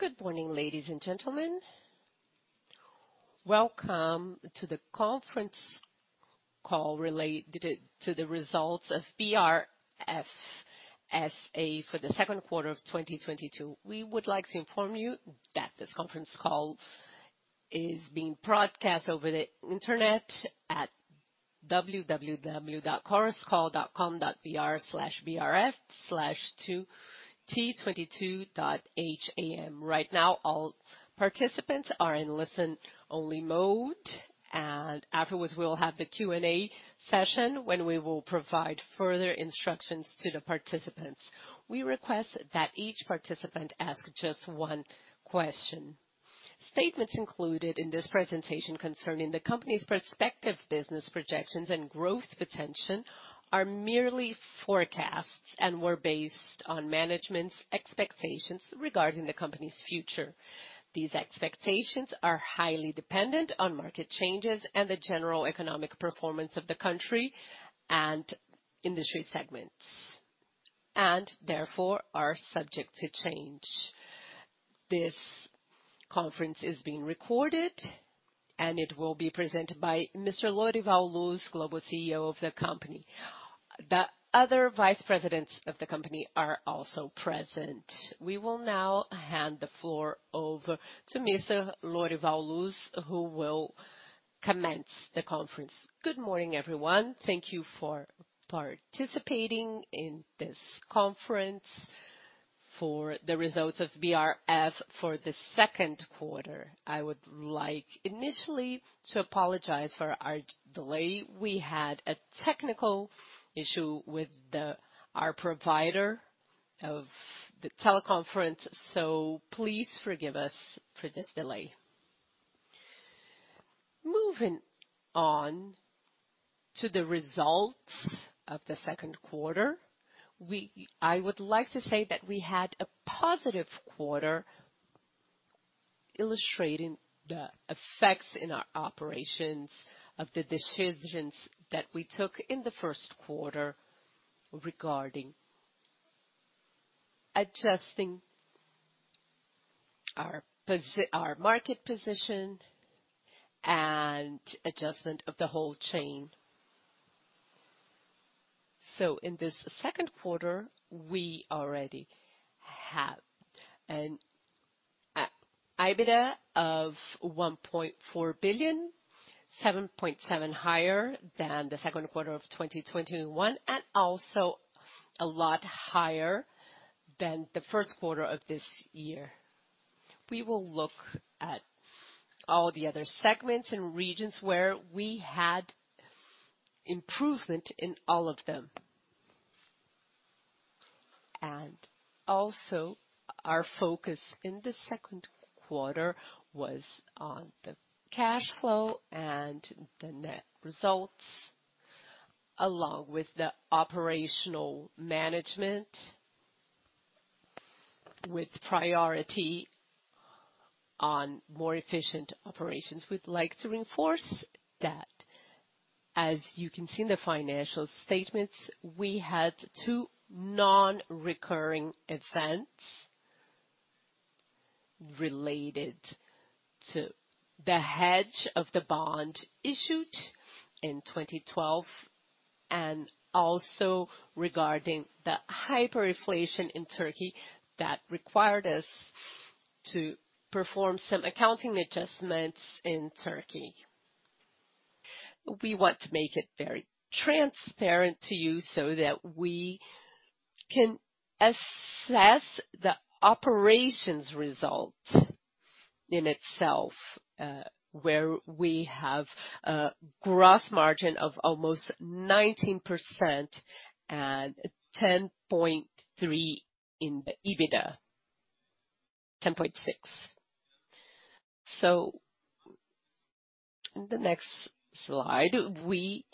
Good morning, ladies and gentlemen. Welcome to the Conference Call related to the Results of BRF S.A. for the Second Quarter of 2022. We would like to inform you that this conference call is being broadcast over the internet at www.conferencecall.com.br/brf/t22.ham. Right now, all participants are in listen-only mode, and afterwards, we'll have the Q&A session when we will provide further instructions to the participants. We request that each participant ask just one question. Statements included in this presentation concerning the company's prospective business projections and growth potential are merely forecasts and were based on management's expectations regarding the company's future. These expectations are highly dependent on market changes and the general economic performance of the country and industry segments, and therefore are subject to change. This conference is being recorded, and it will be presented by Mr. Lorival Luz, Global CEO of the company. The other vice presidents of the company are also present. We will now hand the floor over to Mr. Lorival Luz, who will commence the conference. Good morning, everyone. Thank you for participating in this conference for the results of BRF for the 2nd quarter. I would like initially to apologize for our delay. We had a technical issue with our provider of the teleconference, so please forgive us for this delay. Moving on to the results of the 2nd quarter, I would like to say that we had a positive quarter illustrating the effects in our operations of the decisions that we took in the 1st quarter regarding adjusting our market position and adjustment of the whole chain. In this 2nd quarter, we already have an EBITDA of 1.4 billion, 7.7% higher than the 2nd quarter of 2021 and also a lot higher than the 1st quarter of this year. We will look at all the other segments and regions where we had improvement in all of them. Our focus in the 2nd quarter was on the cash flow and the net results, along with the operational management with priority on more efficient operations. We'd like to reinforce that, as you can see in the financial statements, we had two non-recurring events related to the hedge of the bond issued in 2012 and also regarding the hyperinflation in Turkey that required us to perform some accounting adjustments in Turkey. We want to make it very transparent to you so that we can assess the operations result in itself, where we have a gross margin of almost 19% and 10.3% in the EBITDA, 10.6%. In the next slide, we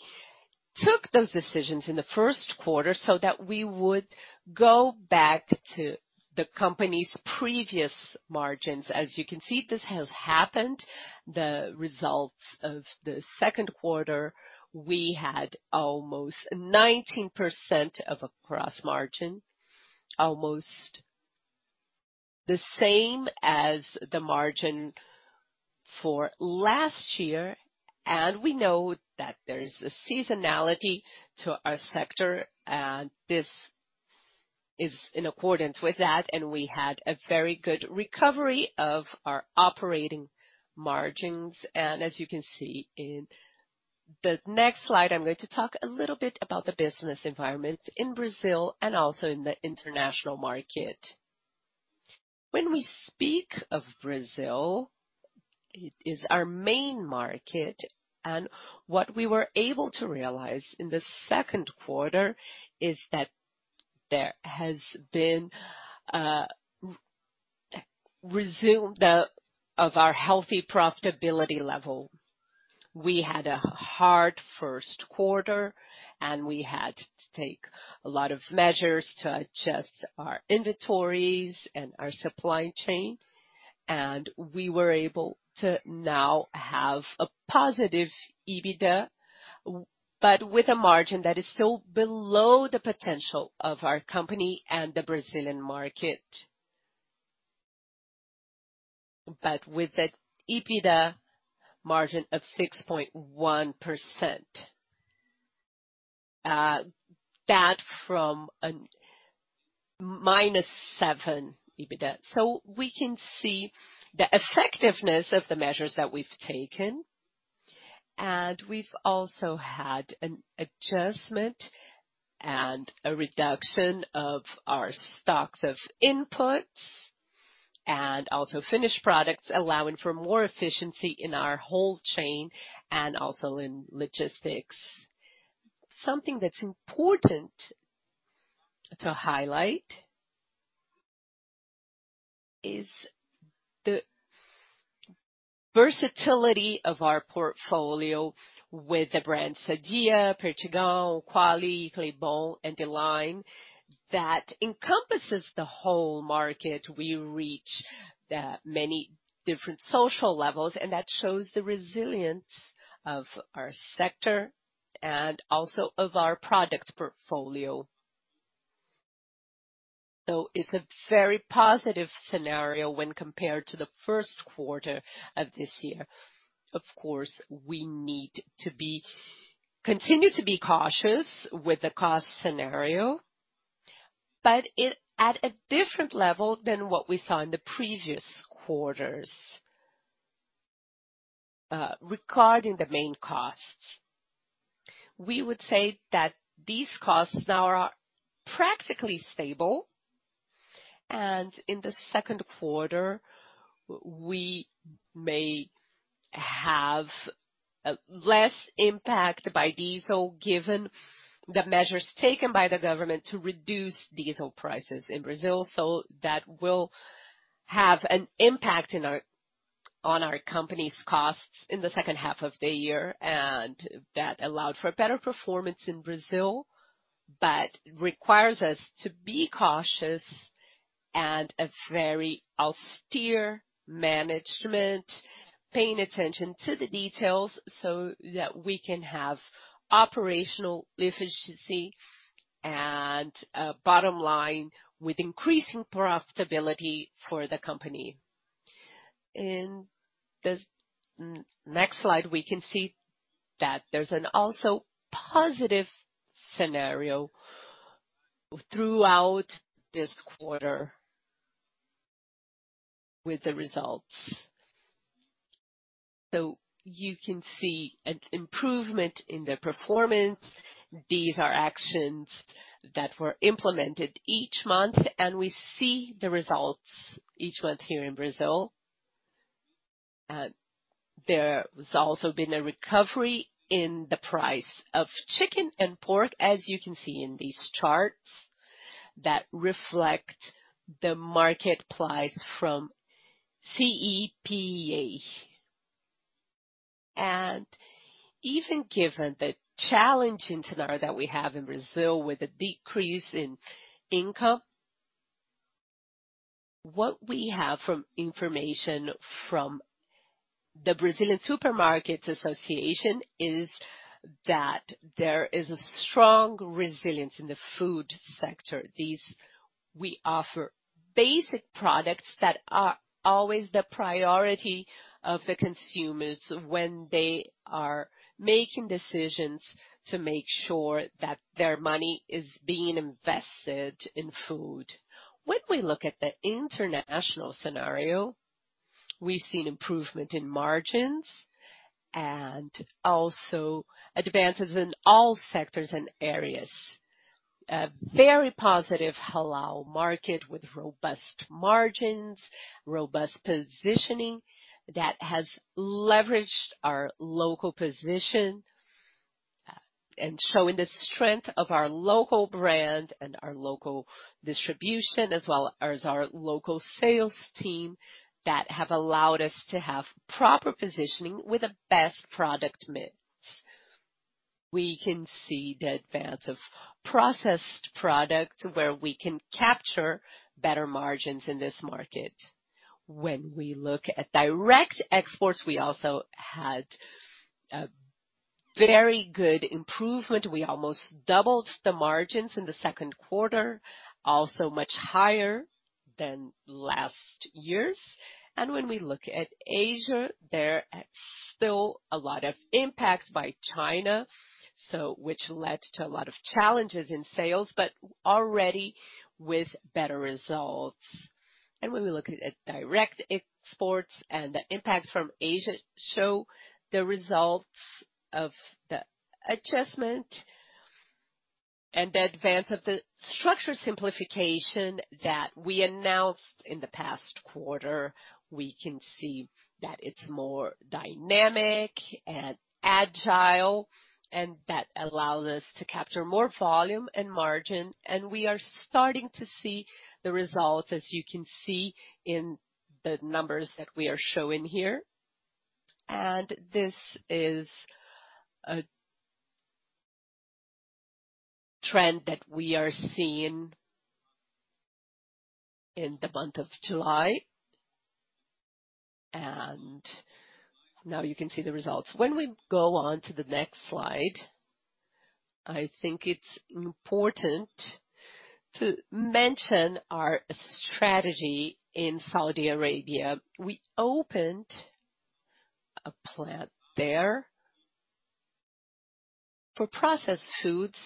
took those decisions in the 1st quarter so that we would go back to the company's previous margins. As you can see, this has happened. The results of the 2nd quarter, we had almost 19% gross margin, almost the same as the margin for last year. We know that there is a seasonality to our sector, and this is in accordance with that, and we had a very good recovery of our operating margins. As you can see in the next slide, I'm going to talk a little bit about the business environment in Brazil and also in the international market. When we speak of Brazil, it is our main market, and what we were able to realize in the 2nd quarter is that there has been a resumption of our healthy profitability level. We had a hard 1st quarter, and we had to take a lot of measures to adjust our inventories and our supply chain. We were able to now have a positive EBITDA, but with a margin that is still below the potential of our company and the Brazilian market. With that EBITDA margin of 6.1%, that from a -7 EBITDA. We can see the effectiveness of the measures that we've taken. We've also had an adjustment and a reduction of our stocks of inputs and also finished products, allowing for more efficiency in our whole chain and also in logistics. Something that's important to highlight is the versatility of our portfolio with the brand Sadia, Perdigão, Qualy, Kidelli, and Delight that encompasses the whole market. We reach the many different social levels, and that shows the resilience of our sector and also of our product portfolio. It's a very positive scenario when compared to the 1st quarter of this year. Of course, we need to continue to be cautious with the cost scenario, but at a different level than what we saw in the previous quarters. Regarding the main costs, we would say that these costs now are practically stable. In the 2nd quarter, we may have less impact by diesel, given the measures taken by the government to reduce diesel prices in Brazil. That will have an impact on our company's costs in the 2nd half of the year, and that allowed for better performance in Brazil. Requires us to be cautious and a very austere management, paying attention to the details so that we can have operational efficiency and bottom line, with increasing profitability for the company. In the next slide, we can see that there's an also positive scenario throughout this quarter with the results. You can see an improvement in the performance. These are actions that were implemented each month, and we see the results each month here in Brazil. There's also been a recovery in the price of chicken and pork, as you can see in these charts, that reflect the market price from CEPEA. Even given the challenging scenario that we have in Brazil with a decrease in income, what we have from information from the Brazilian Supermarkets Association is that there is a strong resilience in the food sector. These we offer basic products that are always the priority of the consumers when they are making decisions to make sure that their money is being invested in food. When we look at the international scenario, we've seen improvement in margins and also advances in all sectors and areas. A very positive halal market with robust margins, robust positioning that has leveraged our local position, and showing the strength of our local brand and our local distribution, as well as our local sales team that have allowed us to have proper positioning with the best product mix. We can see the advance of processed product where we can capture better margins in this market. When we look at direct exports, we also had a very good improvement. We almost doubled the margins in the 2nd quarter, also much higher than last year's. When we look at Asia, there are still a lot of impacts by China, so which led to a lot of challenges in sales, but already with better results. When we look at direct exports and the impacts from Asia show the results of the adjustment and the advance of the structure simplification that we announced in the past quarter, we can see that it's more dynamic and agile, and that allow us to capture more volume and margin. We are starting to see the results, as you can see in the numbers that we are showing here. This is a trend that we are seeing in the month of July. Now you can see the results. When we go on to the next slide, I think it's important to mention our strategy in Saudi Arabia. We opened a plant there for processed foods.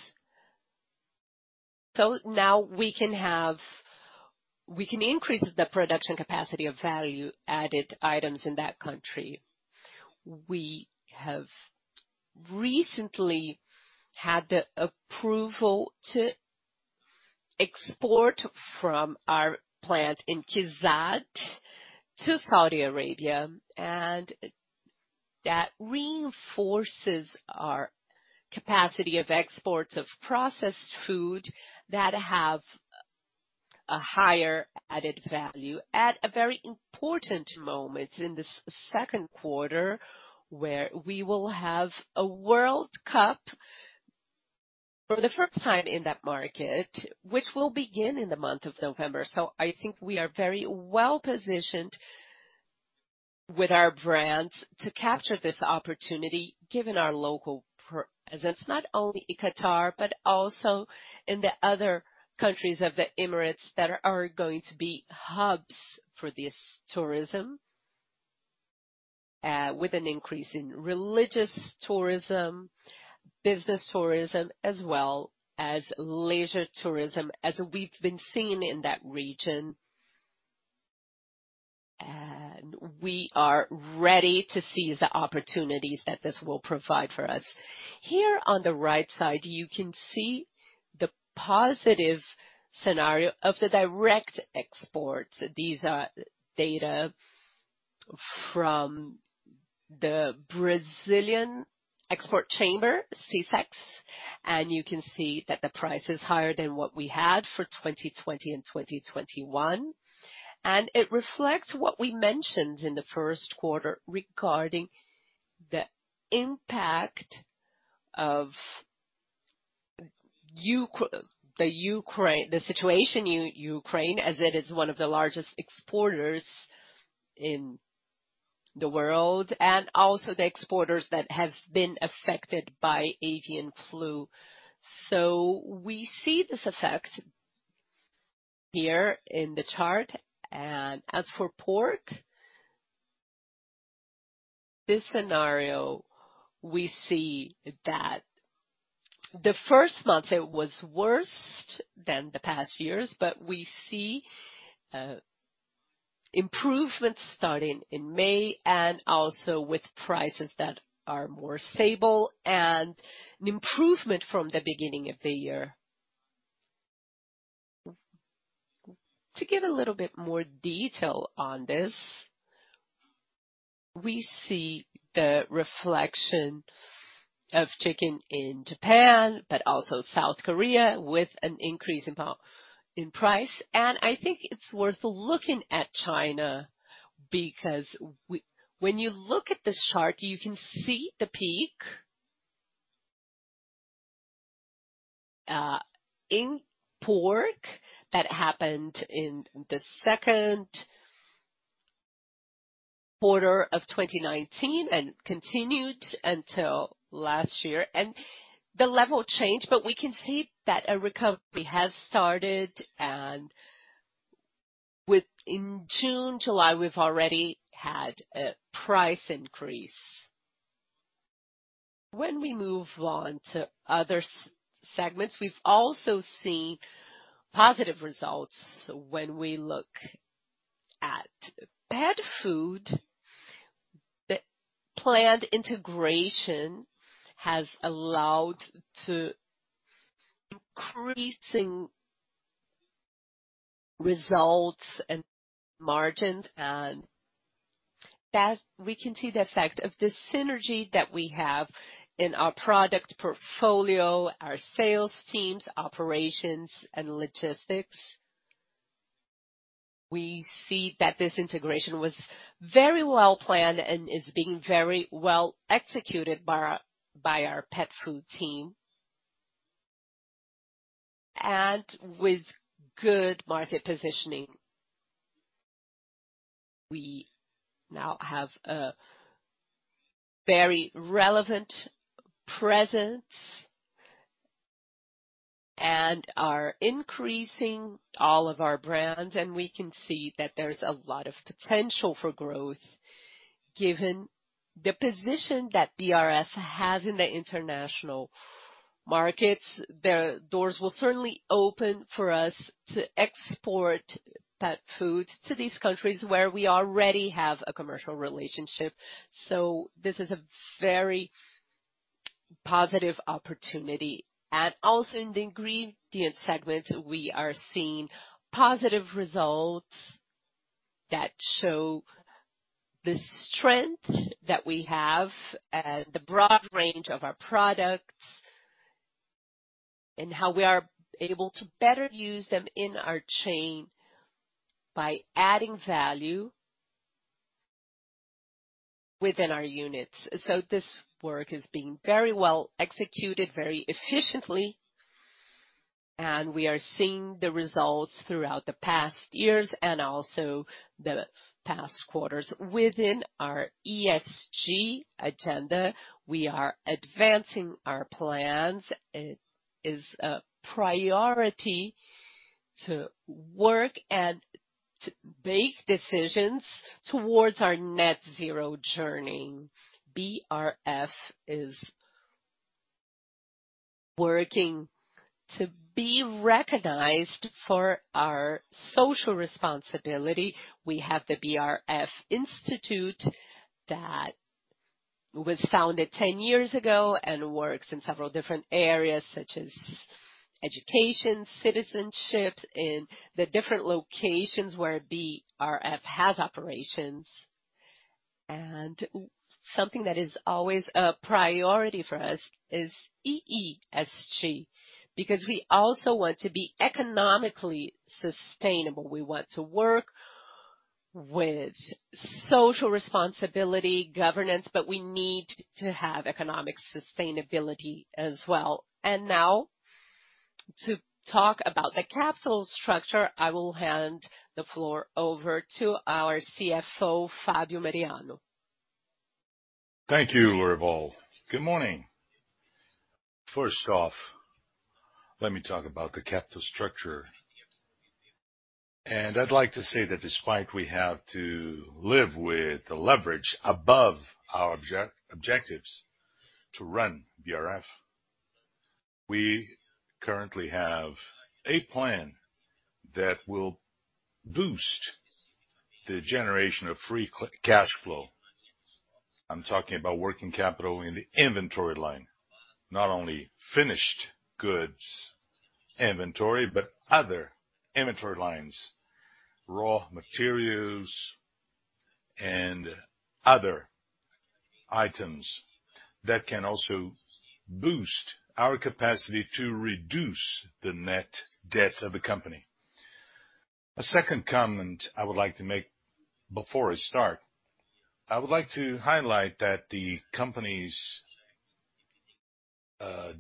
Now we can increase the production capacity of value added items in that country. We have recently had the approval to export from our plant in KIZAD to Saudi Arabia, and that reinforces our capacity of exports of processed food that have a higher added value at a very important moment in the 2nd quarter, where we will have a World Cup for the 1st time in that market, which will begin in the month of November. I think we are very well-positioned with our brands to capture this opportunity, given our local presence, not only in Qatar, but also in the other countries of the Emirates that are going to be hubs for this tourism, with an increase in religious tourism, business tourism, as well as leisure tourism, as we've been seeing in that region. We are ready to seize the opportunities that this will provide for us. Here on the right side, you can see the positive scenario of the direct exports. These are data from the Brazilian Export Chamber, SECEX, and you can see that the price is higher than what we had for 2020 and 2021. It reflects what we mentioned in the 1st quarter regarding the impact of the situation in Ukraine as it is one of the largest exporters in the world, and also the exporters that have been affected by avian flu. We see this effect here in the chart. As for pork, this scenario, we see that the 1st month it was worse than the past years, but we see improvement starting in May and also with prices that are more stable and improvement from the beginning of the year. To give a little bit more detail on this, we see the reflection of chicken in Japan, but also South Korea, with an increase in price. I think it's worth looking at China, because when you look at this chart, you can see the peak in pork that happened in the 2nd quarter of 2019 and continued until last year. The level changed, but we can see that a recovery has started, and in June, July, we've already had a price increase. When we move on to other segments, we've also seen positive results when we look at pet food. The planned integration has allowed to increasing results and margins, and we can see the effect of the synergy that we have in our product portfolio, our sales teams, operations and logistics. We see that this integration was very well-planned and is being very well-executed by our pet food team. With good market positioning, we now have a very relevant presence and are increasing all of our brands, and we can see that there's a lot of potential for growth. Given the position that BRF has in the international markets, the doors will certainly open for us to export pet food to these countries where we already have a commercial relationship. This is a very positive opportunity. In the ingredient segment, we are seeing positive results that show the strength that we have and the broad range of our products, and how we are able to better use them in our chain by adding value within our units. This work is being very well executed very efficiently, and we are seeing the results throughout the past years and also the past quarters. Within our ESG agenda, we are advancing our plans. It is a priority to work and to make decisions towards our net zero journey. BRF is working to be recognized for our social responsibility. We have the BRF Institute that was founded ten years ago and works in several different areas, such as education, citizenship in the different locations where BRF has operations. Something that is always a priority for us is EESG, because we also want to be economically sustainable. We want to work with social responsibility governance, but we need to have economic sustainability as well. Now to talk about the capital structure, I will hand the floor over to our CFO, Fabio Mariano. Thank you, Lorival. Good morning. First off, let me talk about the capital structure. I'd like to say that despite we have to live with the leverage above our objectives to run BRF, we currently have a plan that will boost the generation of free cash flow. I'm talking about working capital in the inventory line. Not only finished goods inventory, but other inventory lines, raw materials and other items that can also boost our capacity to reduce the net debt of the company. A 2nd comment I would like to make before I start, I would like to highlight that the company's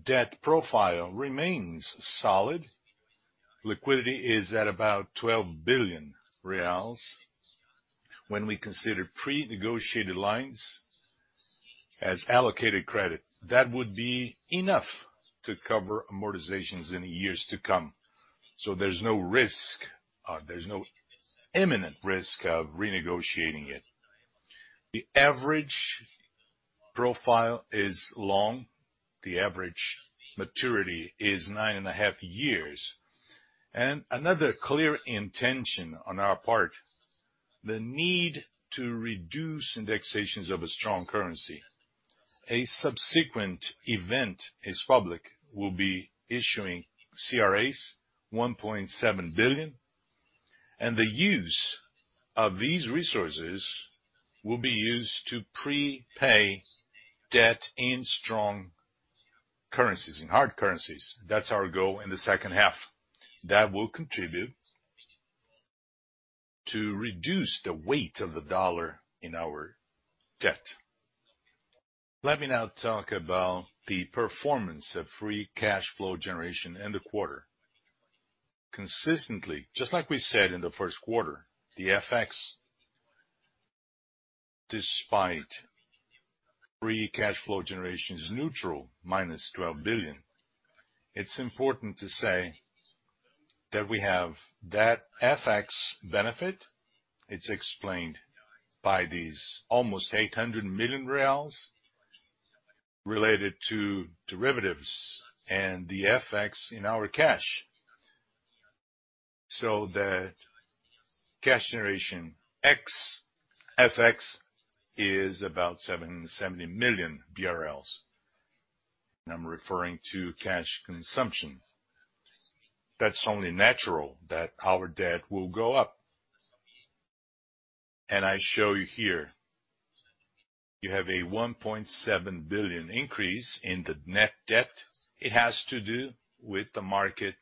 debt profile remains solid. Liquidity is at about SAR 12 billion. When we consider pre-negotiated lines as allocated credit, that would be enough to cover amortizations in the years to come. There's no risk, there's no imminent risk of renegotiating it. The average profile is long. The average maturity is nine and a half years. Another clear intention on our part, the need to reduce indexations of a strong currency. A subsequent event is public. We'll be issuing CRAs, 1.7 billion, and the use of these resources will be used to prepay debt in strong currencies, in hard currencies. That's our goal in the 2nd half. That will contribute to reduce the weight of the dollar in our debt. Let me now talk about the performance of free cash flow generation in the quarter. Consistently, just like we said in the 1st quarter, the FX, despite free cash flow generation is neutral, minus 12 billion. It's important to say that we have that FX benefit. It's explained by these almost SAR 800 million related to derivatives and the FX in our cash. The cash generation ex FX is about 770 million BRL, and I'm referring to cash consumption. That's only natural that our debt will go up. I show you here, you have a 1.7 billion increase in the net debt it has to do with the market,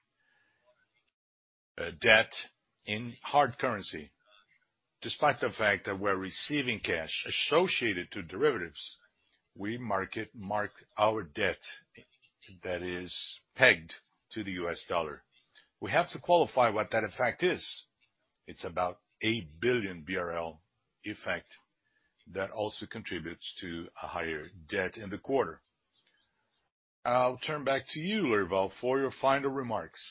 debt in hard currency. Despite the fact that we're receiving cash associated to derivatives, we market our debt that is pegged to the U.S. Dollar. We have to qualify what that effect is. It's about 8 billion BRL effect that also contributes to a higher debt in the quarter. I'll turn back to you, Lorival, for your final remarks.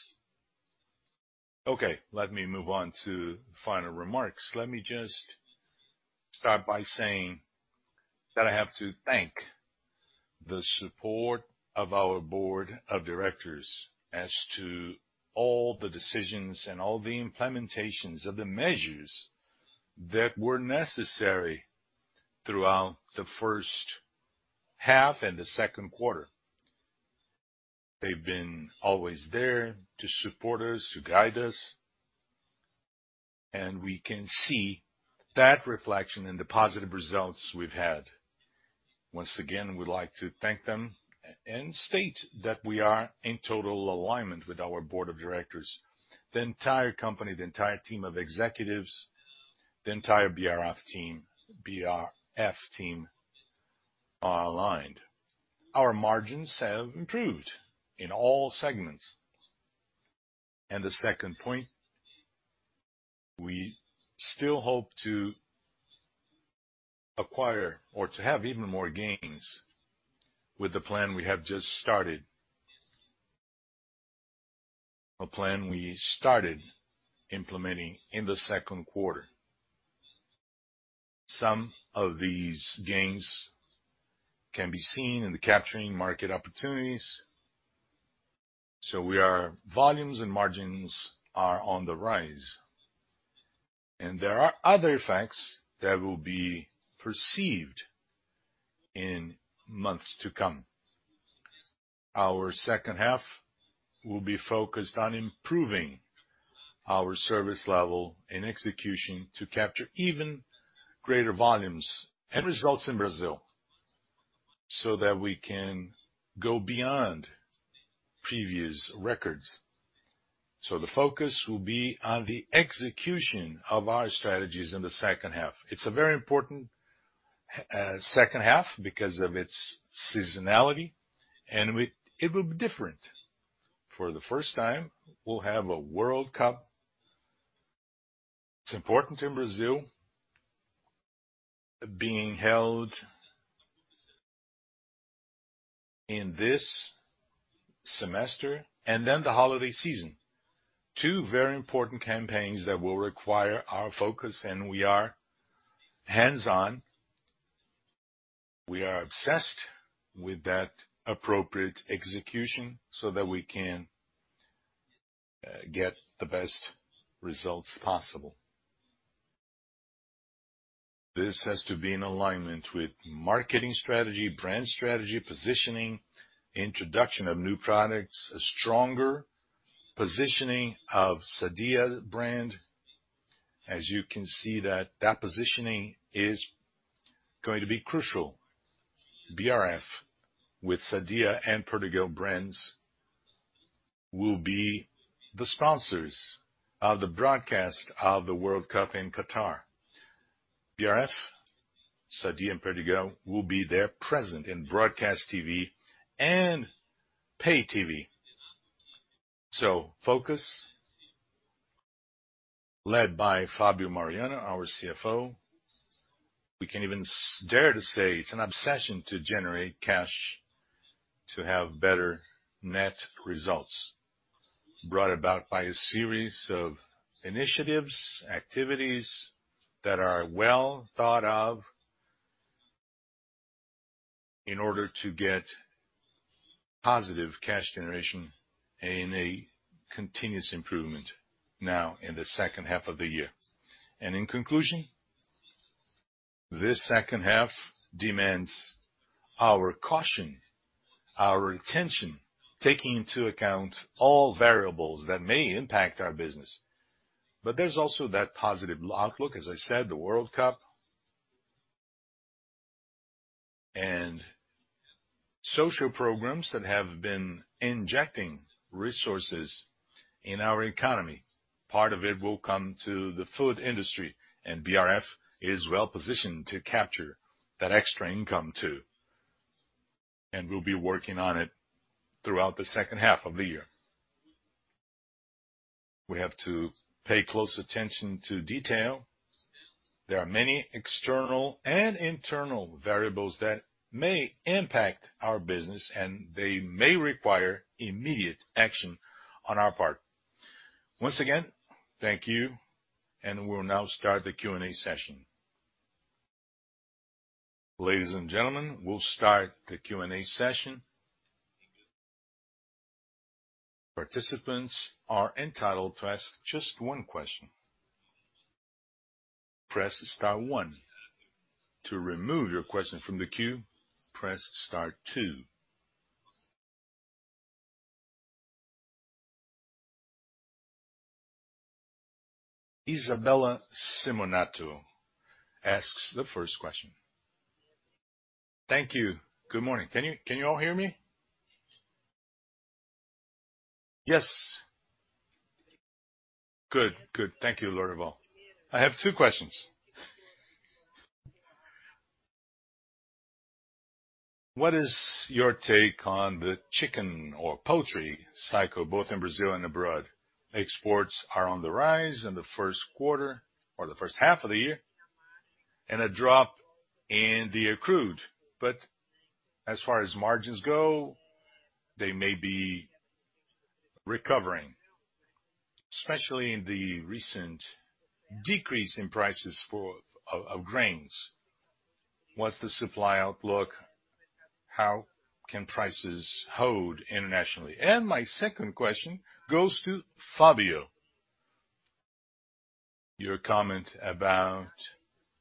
Okay, let me move on to final remarks. Let me just start by saying that I have to thank the support of our board of directors as to all the decisions and all the implementations of the measures that were necessary throughout the 1st half and the 2nd quarter. They've been always there to support us, to guide us, and we can see that reflection in the positive results we've had. Once again, we'd like to thank them and state that we are in total alignment with our board of directors. The entire company, the entire team of executives, the entire BRF team are aligned. Our margins have improved in all segments. The 2nd point, we still hope to acquire or to have even more gains with the plan we have just started. A plan we started implementing in the 2nd quarter. Some of these gains can be seen in the capturing market opportunities. Volumes and margins are on the rise, and there are other effects that will be perceived in months to come. Our 2nd half will be focused on improving our service level and execution to capture even greater volumes and results in Brazil, so that we can go beyond previous records. The focus will be on the execution of our strategies in the 2nd half. It's a very important 2nd half because of its seasonality, and it will be different. For the 1st time, we'll have a World Cup. It's important in Brazil being held in this semester and then the holiday season. Two very important campaigns that will require our focus and we are hands-on. We are obsessed with that appropriate execution so that we can get the best results possible. This has to be in alignment with marketing strategy, brand strategy, positioning, introduction of new products, a stronger positioning of Sadia brand. As you can see that positioning is going to be crucial. BRF with Sadia and Perdigão brands will be the sponsors of the broadcast of the World Cup in Qatar. BRF, Sadia, and Perdigão will be there present in broadcast TV and pay TV. Focus, led by Fabio Mariano, our CFO. We can even dare to say it's an obsession to generate cash to have better net results brought about by a series of initiatives, activities that are well thought of in order to get positive cash generation and a continuous improvement now in the 2nd half of the year. In conclusion, this 2nd half demands our caution, our attention, taking into account all variables that may impact our business. There's also that positive outlook, as I said, the World Cup and social programs that have been injecting resources in our economy. Part of it will come to the food industry, and BRF is well-positioned to capture that extra income too. We'll be working on it throughout the 2nd half of the year. We have to pay close attention to detail. There are many external and internal variables that may impact our business, and they may require immediate action on our part. Once again, thank you. We'll now start the Q&A session. Ladies and gentlemen, we'll start the Q&A session. Participants are entitled to ask just one question. Press star one. To remove your question from the queue, press star two. Isabella Simonato asks the 1st question. Thank you. Good morning. Can you all hear me? Yes. Good. Thank you, Lorival. I have two questions. What is your take on the chicken or poultry cycle, both in Brazil and abroad? Exports are on the rise in the 1st quarter or the 1st half of the year, and a drop in the accrued. As far as margins go, they may be recovering, especially in the recent decrease in prices of grains. What's the supply outlook? How can prices hold internationally? My 2nd question goes to Fabio. Your comment about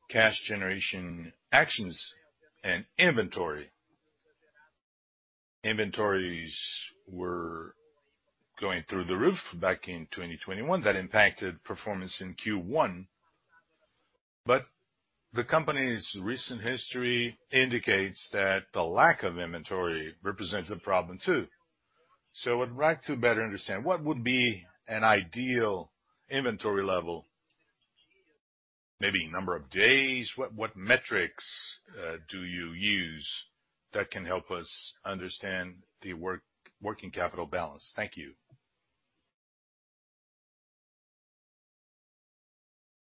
cash generation actions and inventory. Inventories were going through the roof back in 2021. That impacted performance in Q1. The company's recent history indicates that the lack of inventory represents a problem too. I would like to better understand what would be an ideal inventory level, maybe number of days, what metrics do you use that can help us understand the working capital balance? Thank you.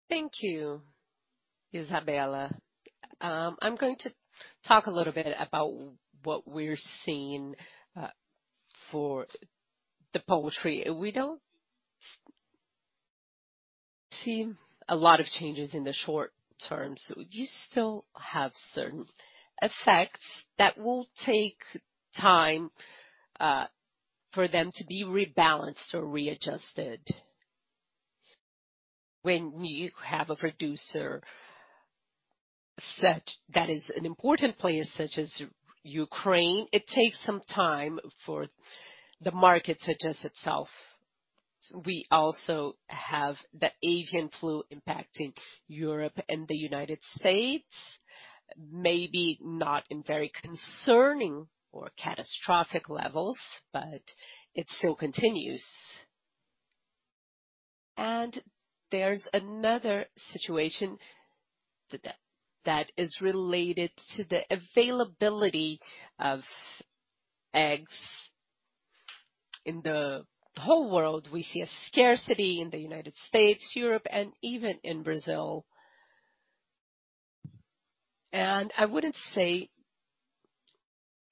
Thank you, Isabella. I'm going to talk a little bit about what we're seeing for the poultry. We don't see a lot of changes in the short term. You still have certain effects that will take time for them to be rebalanced or readjusted. When you have a producer that is an important player such as Ukraine, it takes some time for the market to adjust itself. We also have the avian flu impacting Europe and the United States, maybe not in very concerning or catastrophic levels, but it still continues. There's another situation that is related to the availability of eggs. In the whole world, we see a scarcity in the United States, Europe, and even in Brazil. I would say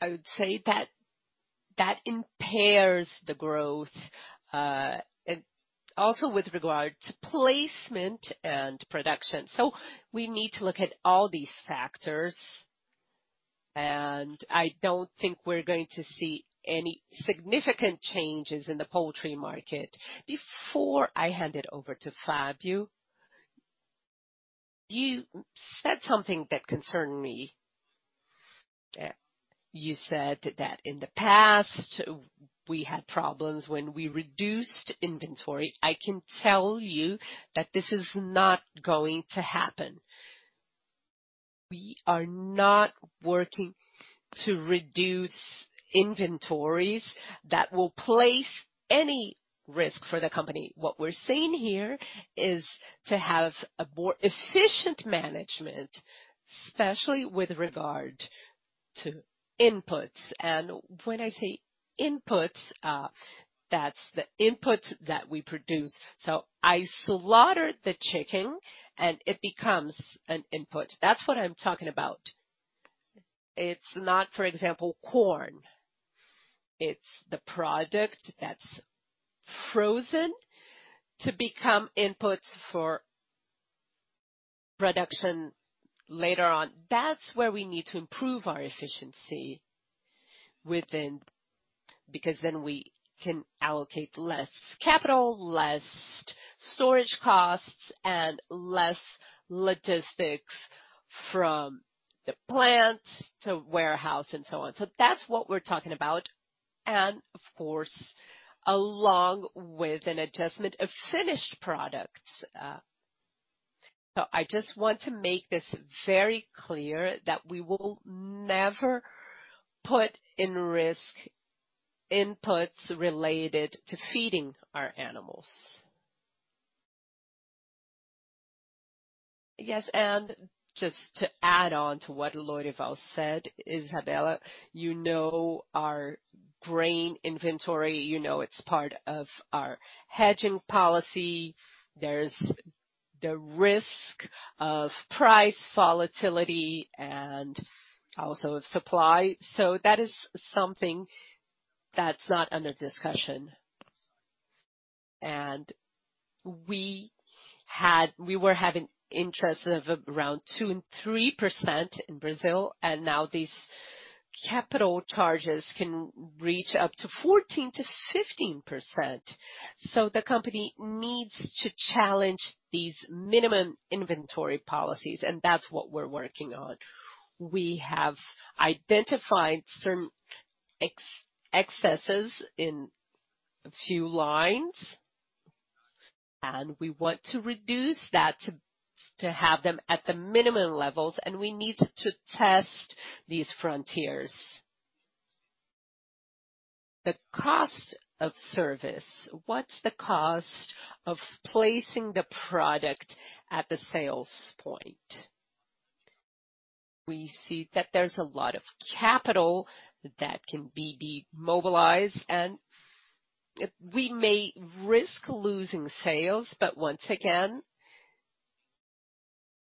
that impairs the growth, and also with regard to placement and production. We need to look at all these factors, and I don't think we're going to see any significant changes in the poultry market. Before I hand it over to Fabio, you said something that concerned me. You said that in the past, we had problems when we reduced inventory. I can tell you that this is not going to happen. We are not working to reduce inventories that will place any risk for the company. What we're saying here is to have a more efficient management, especially with regard to inputs. When I say inputs, that's the inputs that we produce. I slaughter the chicken and it becomes an input. That's what I'm talking about. It's not, for example, corn. It's the product that's frozen to become inputs for production later on. That's where we need to improve our efficiency within, because then we can allocate less capital, less storage costs, and less logistics from the plant to warehouse and so on. That's what we're talking about. Of course, along with an adjustment of finished products. I just want to make this very clear that we will never put at risk inputs related to feeding our animals. Yes, just to add on to what Lorival said, Isabella, you know our grain inventory, you know it's part of our hedging policy. There's the risk of price volatility and also of supply. That is something that's not under discussion. We were having interest of around 2% and 3% in Brazil, and now these capital charges can reach up to 14%-15%. The company needs to challenge these minimum inventory policies, and that's what we're working on. We have identified certain excesses in a few lines, and we want to reduce that to have them at the minimum levels, and we need to test these frontiers. The cost of service, what's the cost of placing the product at the sales point? We see that there's a lot of capital that can be demobilized, and we may risk losing sales. Once again,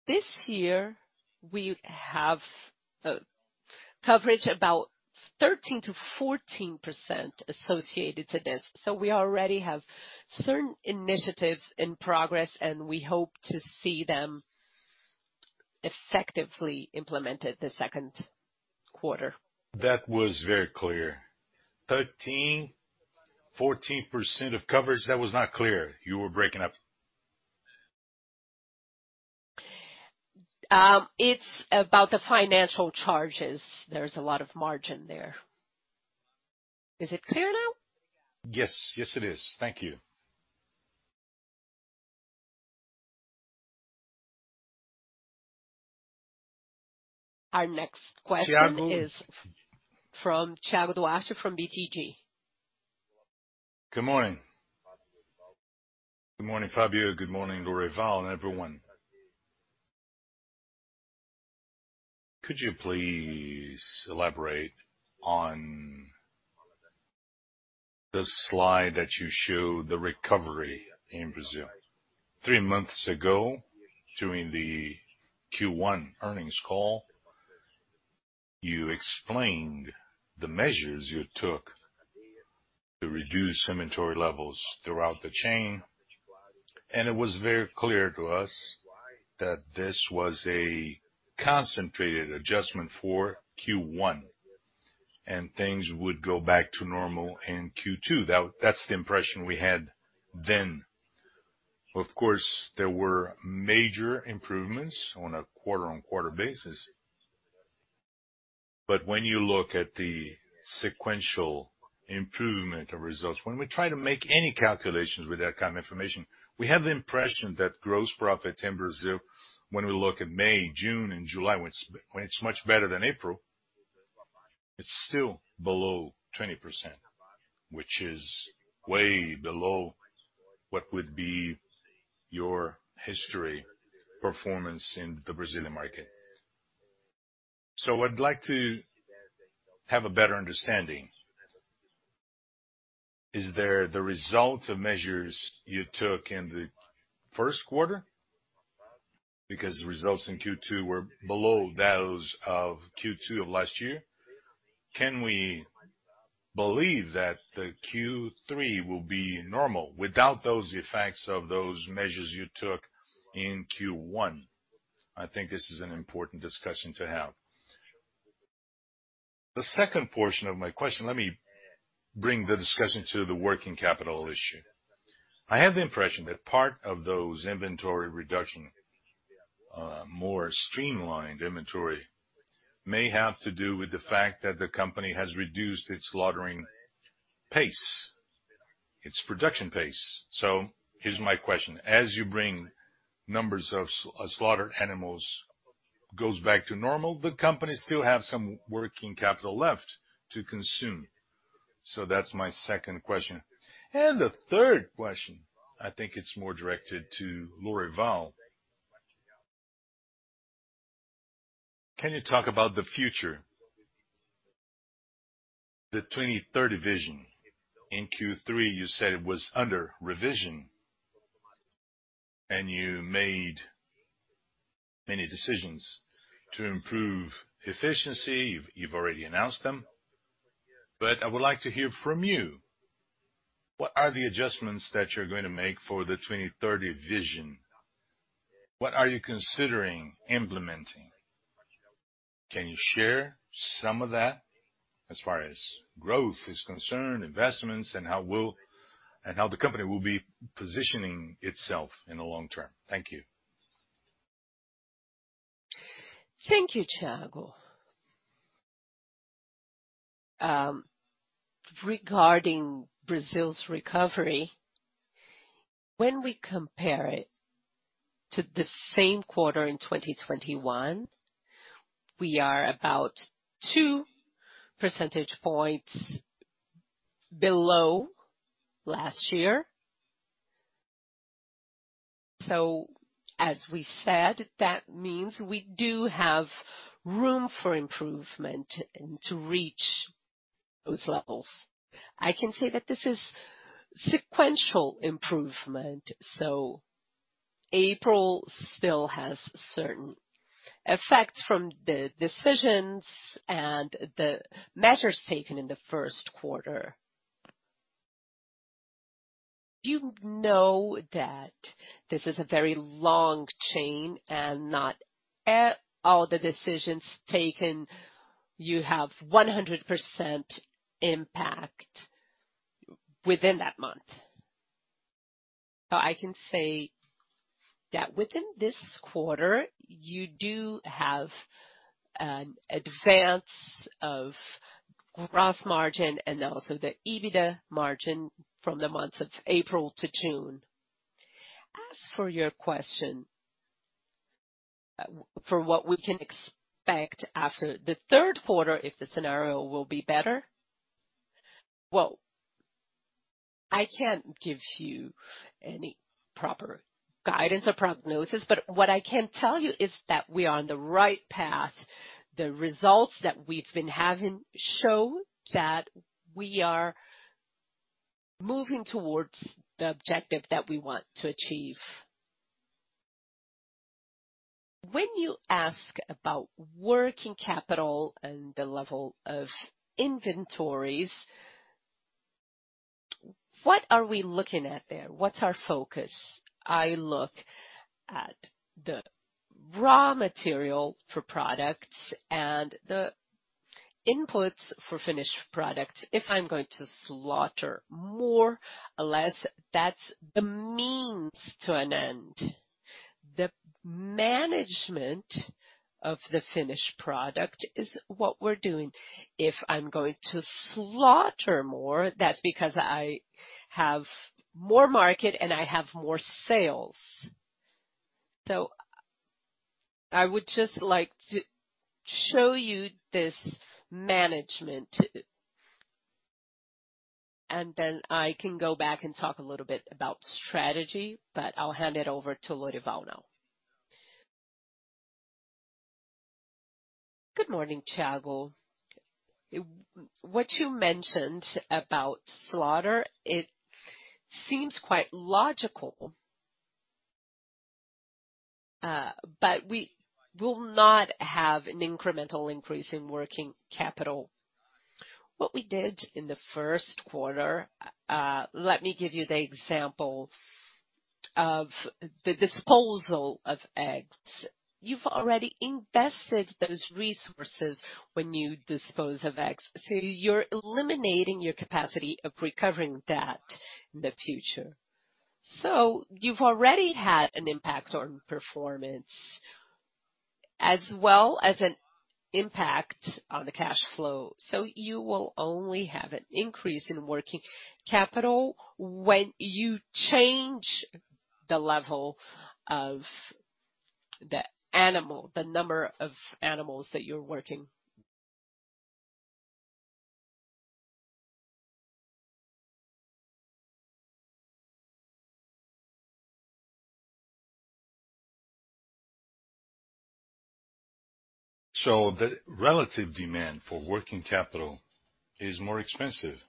this year, we have a coverage about 13%-14% associated to this. We already have certain initiatives in progress, and we hope to see them effectively implemented the 2nd quarter. That was very clear. 13%-14% of coverage, that was not clear. You were breaking up. It's about the financial charges. There's a lot of margin there. Is it clear now? Yes. Yes, it is. Thank you. Our next question is from Thiago Duarte from BTG. Good morning. Good morning, Fabio. Good morning, Lorival, and everyone. Could you please elaborate on the slide that you showed the recovery in Brazil? Three months ago, during the Q1 earnings call, you explained the measures you took to reduce inventory levels throughout the chain, and it was very clear to us that this was a concentrated adjustment for Q1, and things would go back to normal in Q2. That's the impression we had then. Of course, there were major improvements on a quarter-over-quarter basis. When you look at the sequential improvement of results, when we try to make any calculations with that kind of information, we have the impression that gross profit in Brazil, when we look at May, June and July, when it's much better than April, it's still below 20%, which is way below what would be your historical performance in the Brazilian market. I'd like to have a better understanding. Is that the result of measures you took in the 1st quarter? Because the results in Q2 were below those of Q2 of last year. Can we believe that the Q3 will be normal without those effects of those measures you took in Q1? I think this is an important discussion to have. The 2nd portion of my question, let me bring the discussion to the working capital issue. I have the impression that part of those inventory reduction, more streamlined inventory may have to do with the fact that the company has reduced its slaughtering pace, its production pace. Here's my question. As the numbers of slaughtered animals go back to normal, the company still have some working capital left to consume. That's my 2nd question. The 3rd question, I think it's more directed to Lorival. Can you talk about the future? The 2030 vision. In Q3, you said it was under revision and you made many decisions to improve efficiency. You've already announced them, but I would like to hear from you. What are the adjustments that you're going to make for the 2030 vision? What are you considering implementing? Can you share some of that as far as growth is concerned, investments, and how the company will be positioning itself in the long term? Thank you. Thank you, Thiago. Regarding Brazil's recovery, when we compare it to the same quarter in 2021, we are about two percentage points below last year. As we said, that means we do have room for improvement and to reach those levels. I can say that this is sequential improvement, so April still has certain effects from the decisions and the measures taken in the 1st quarter. You know that this is a very long chain and not at all the decisions taken, you have 100% impact within that month. I can say that within this quarter you do have an advance of gross margin and also the EBITDA margin from the months of April to June. As for your question, for what we can expect after the 3rd quarter, if the scenario will be better. Well, I can't give you any proper guidance or prognosis, but what I can tell you is that we are on the right path. The results that we've been having show that we are moving towards the objective that we want to achieve. When you ask about working capital and the level of inventories, what are we looking at there? What's our focus? I look at the raw material for products. Inputs for finished product. If I'm going to slaughter more or less, that's the means to an end. The management of the finished product is what we're doing. If I'm going to slaughter more, that's because I have more market and I have more sales. I would just like to show you this management, and then I can go back and talk a little bit about strategy. I'll hand it over to Lorival now. Good morning, Thiago. What you mentioned about slaughter, it seems quite logical. We will not have an incremental increase in working capital. What we did in the 1st quarter, let me give you the example of the disposal of eggs. You've already invested those resources when you dispose of eggs, so you're eliminating your capacity of recovering that in the future. You've already had an impact on performance as well as an impact on the cash flow. You will only have an increase in working capital when you change the level of the animal, the number of animals that you're working. The relative demand for working capital is more expensive.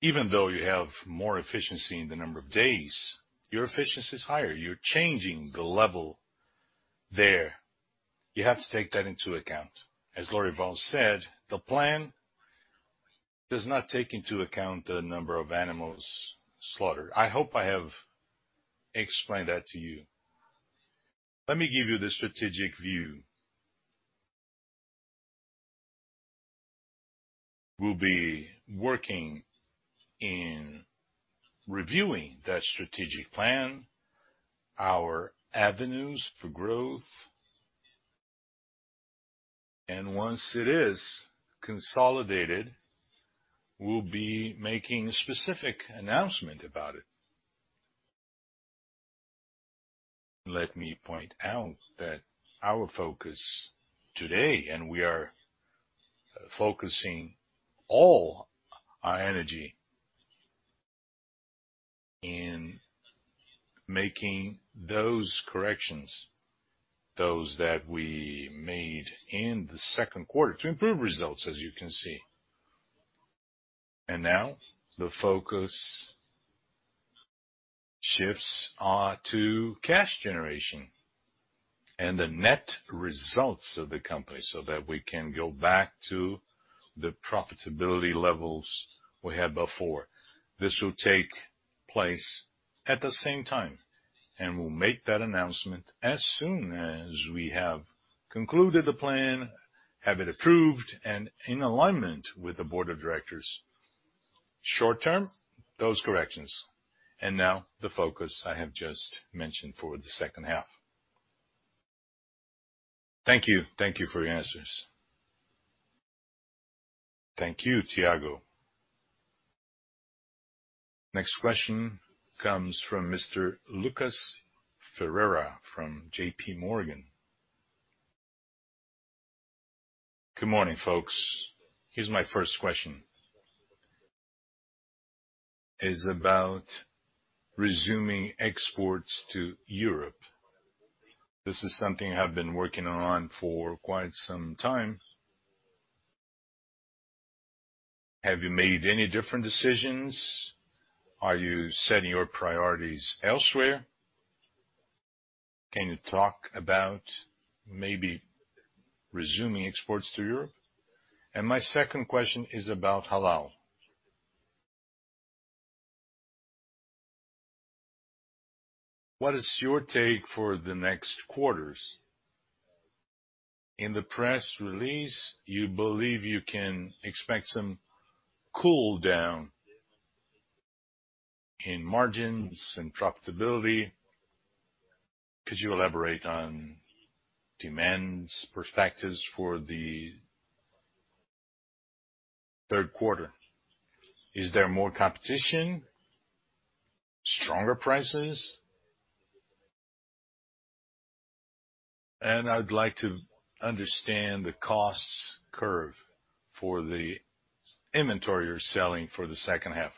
Even though you have more efficiency in the number of days, your efficiency is higher. You're changing the level there. You have to take that into account. As Lorival said, the plan does not take into account the number of animals slaughtered. I hope I have explained that to you. Let me give you the strategic view. We'll be working on reviewing that strategic plan, our avenues for growth. Once it is consolidated, we'll be making a specific announcement about it. Let me point out that our focus today, and we are focusing all our energy in making those corrections, those that we made in the 2nd quarter to improve results, as you can see. Now the focus shifts to cash generation and the net results of the company, so that we can go back to the profitability levels we had before. This will take place at the same time, and we'll make that announcement as soon as we have concluded the plan, have it approved and in alignment with the board of directors. Short term, those corrections. Now the focus I have just mentioned for the 2nd half. Thank you. Thank you for your answers. Thank you, Thiago. Next question comes from Mr. Lucas Ferreira from J.P. Morgan. Good morning, folks. Here's my 1st question. It's about resuming exports to Europe. This is something you have been working on for quite some time. Have you made any different decisions? Are you setting your priorities elsewhere? Can you talk about maybe resuming exports to Europe? My 2nd question is about halal. What is your take for the next quarters? In the press release, you believe you can expect some cool down in margins and profitability. Could you elaborate on demands, perspectives for the 3rd quarter? Is there more competition, stronger prices? I'd like to understand the costs curve for the inventory you're selling for the 2nd half.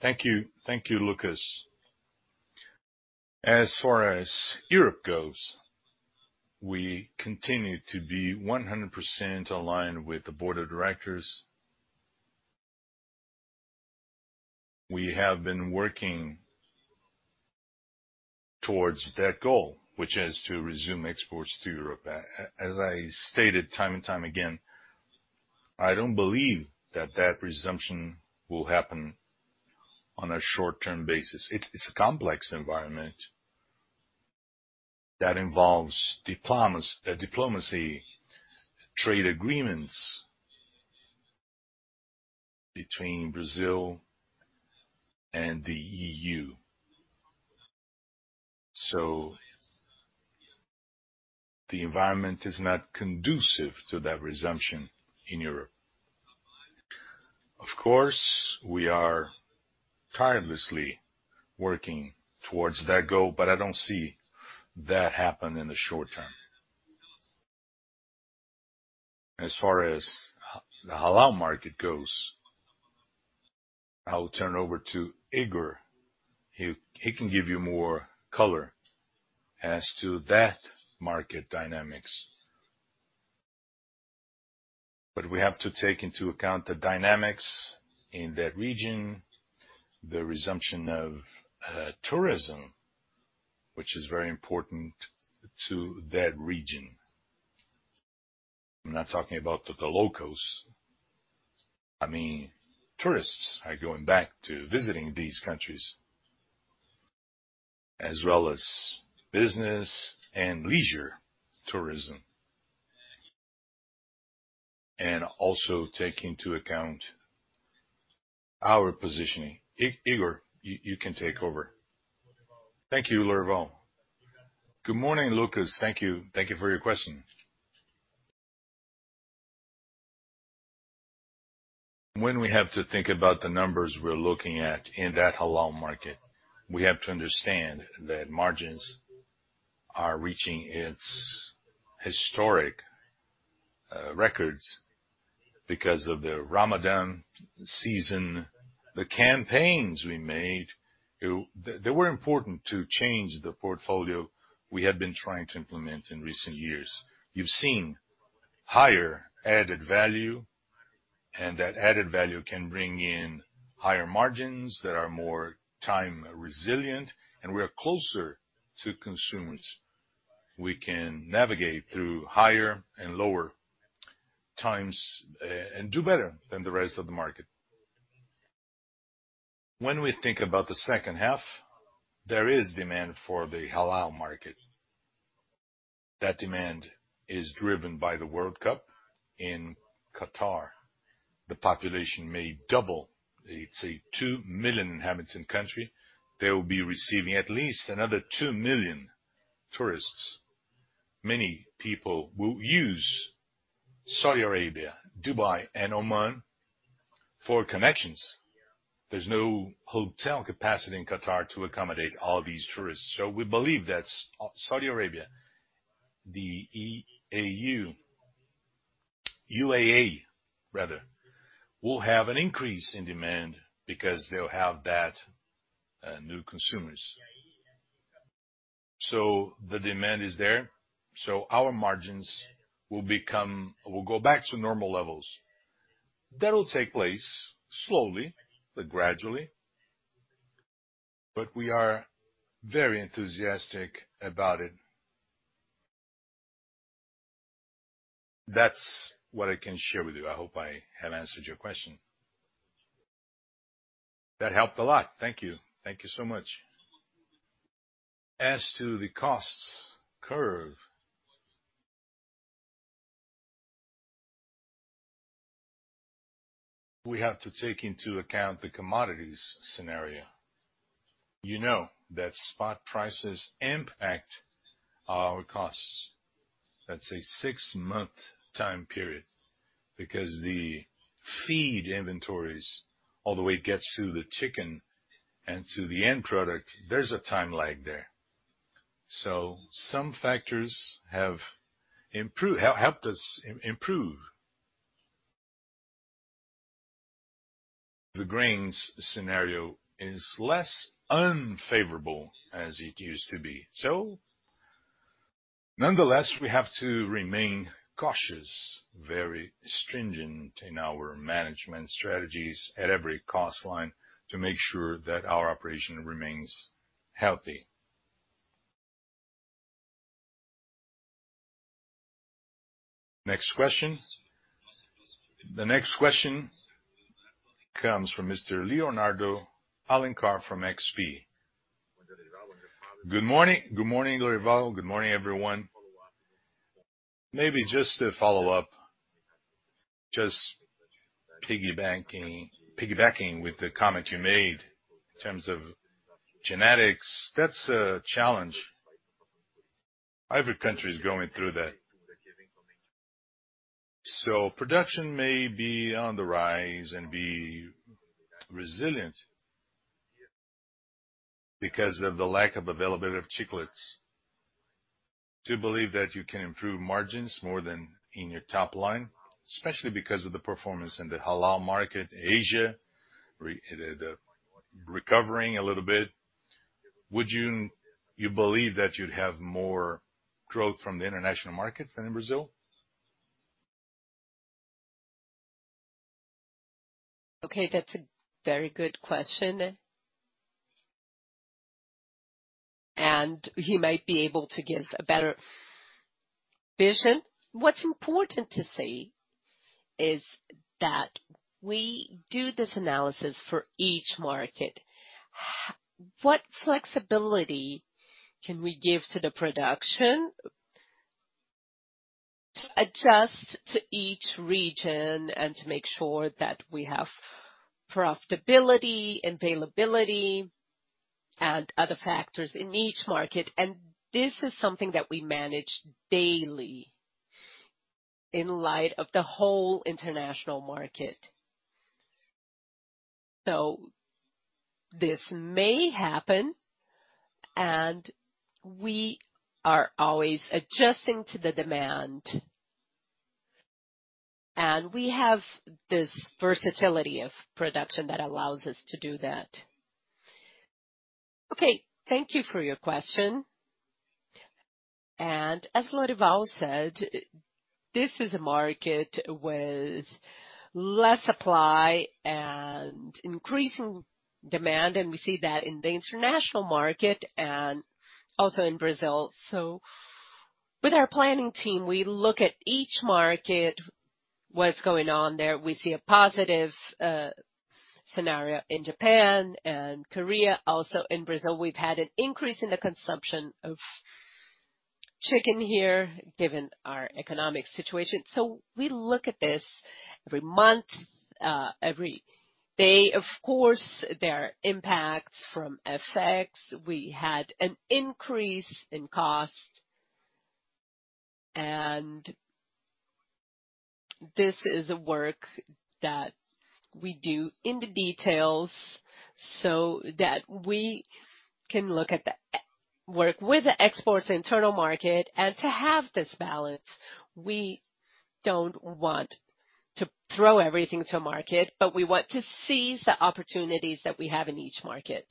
Thank you. Thank you, Lucas. As far as Europe goes, we continue to be 100% aligned with the board of directors. We have been working towards that goal, which is to resume exports to Europe. As I stated time and time again, I don't believe that resumption will happen on a short-term basis. It's a complex environment that involves diplomacy, trade agreements between Brazil and the E.U. The environment is not conducive to that resumption in Europe. Of course, we are tirelessly working towards that goal, but I don't see that happen in the short term. As far as the halal market goes, I will turn over to Igor. He can give you more color as to that market dynamics. We have to take into account the dynamics in that region, the resumption of tourism, which is very important to that region. I'm not talking about the locals. I mean, tourists are going back to visiting these countries, as well as business and leisure tourism. Also take into account our positioning. Igor, you can take over. Thank you, Lorival. Good morning, Lucas. Thank you. Thank you for your question. When we have to think about the numbers we're looking at in that halal market, we have to understand that margins are reaching its historic records because of the Ramadan season. The campaigns we made, they were important to change the portfolio we have been trying to implement in recent years. You've seen higher added value, and that added value can bring in higher margins that are more time resilient, and we are closer to consumers. We can navigate through higher and lower times, and do better than the rest of the market. When we think about the 2nd half, there is demand for the halal market. That demand is driven by the World Cup in Qatar. The population may double. It's a 2 million inhabitants in country. They will be receiving at least another 2 million tourists. Many people will use Saudi Arabia, Dubai, and Oman for connections. There's no hotel capacity in Qatar to accommodate all these tourists. We believe that Saudi Arabia, the UAE rather, will have an increase in demand because they'll have that, new consumers. The demand is there, our margins will become will go back to normal levels. That'll take place slowly but gradually, but we are very enthusiastic about it. That's what I can share with you. I hope I have answered your question. That helped a lot. Thank you. Thank you so much. As to the costs curve, we have to take into account the commodities scenario. You know that spot prices impact our costs. That's a six month time period because the feed inventories, all the way it gets to the chicken and to the end product, there's a time lag there. Some factors have helped us improve. The grains scenario is less unfavorable as it used to be. Nonetheless, we have to remain cautious, very stringent in our management strategies at every cost line to make sure that our operation remains healthy. Next question. The next question comes from Mr. Leonardo Alencar from XP. Good morning. Good morning, Lorival. Good morning, everyone. Maybe just to follow up, just piggybacking with the comment you made in terms of genetics, that's a challenge. Every country is going through that. Production may be on the rise and be resilient because of the lack of availability of chicks. Do you believe that you can improve margins more than in your top line, especially because of the performance in the halal market, Asia recovering a little bit? Would you believe that you'd have more growth from the international markets than in Brazil? Okay, that's a very good question. He might be able to give a better vision. What's important to say is that we do this analysis for each market. What flexibility can we give to the production to adjust to each region and to make sure that we have profitability, availability, and other factors in each market. This is something that we manage daily in light of the whole international market. This may happen, and we are always adjusting to the demand, and we have this versatility of production that allows us to do that. Okay, thank you for your question. As Lorival said, this is a market with less supply and increasing demand, and we see that in the international market and also in Brazil. With our planning team, we look at each market, what's going on there. We see a positive scenario in Japan and Korea. Also in Brazil, we've had an increase in the consumption of chicken here given our economic situation. We look at this every month, every day. Of course, there are impacts from FX. We had an increase in cost. This is a work that we do in the details so that we can look at the work with the exports internal market. To have this balance, we don't want to throw everything to market, but we want to seize the opportunities that we have in each market.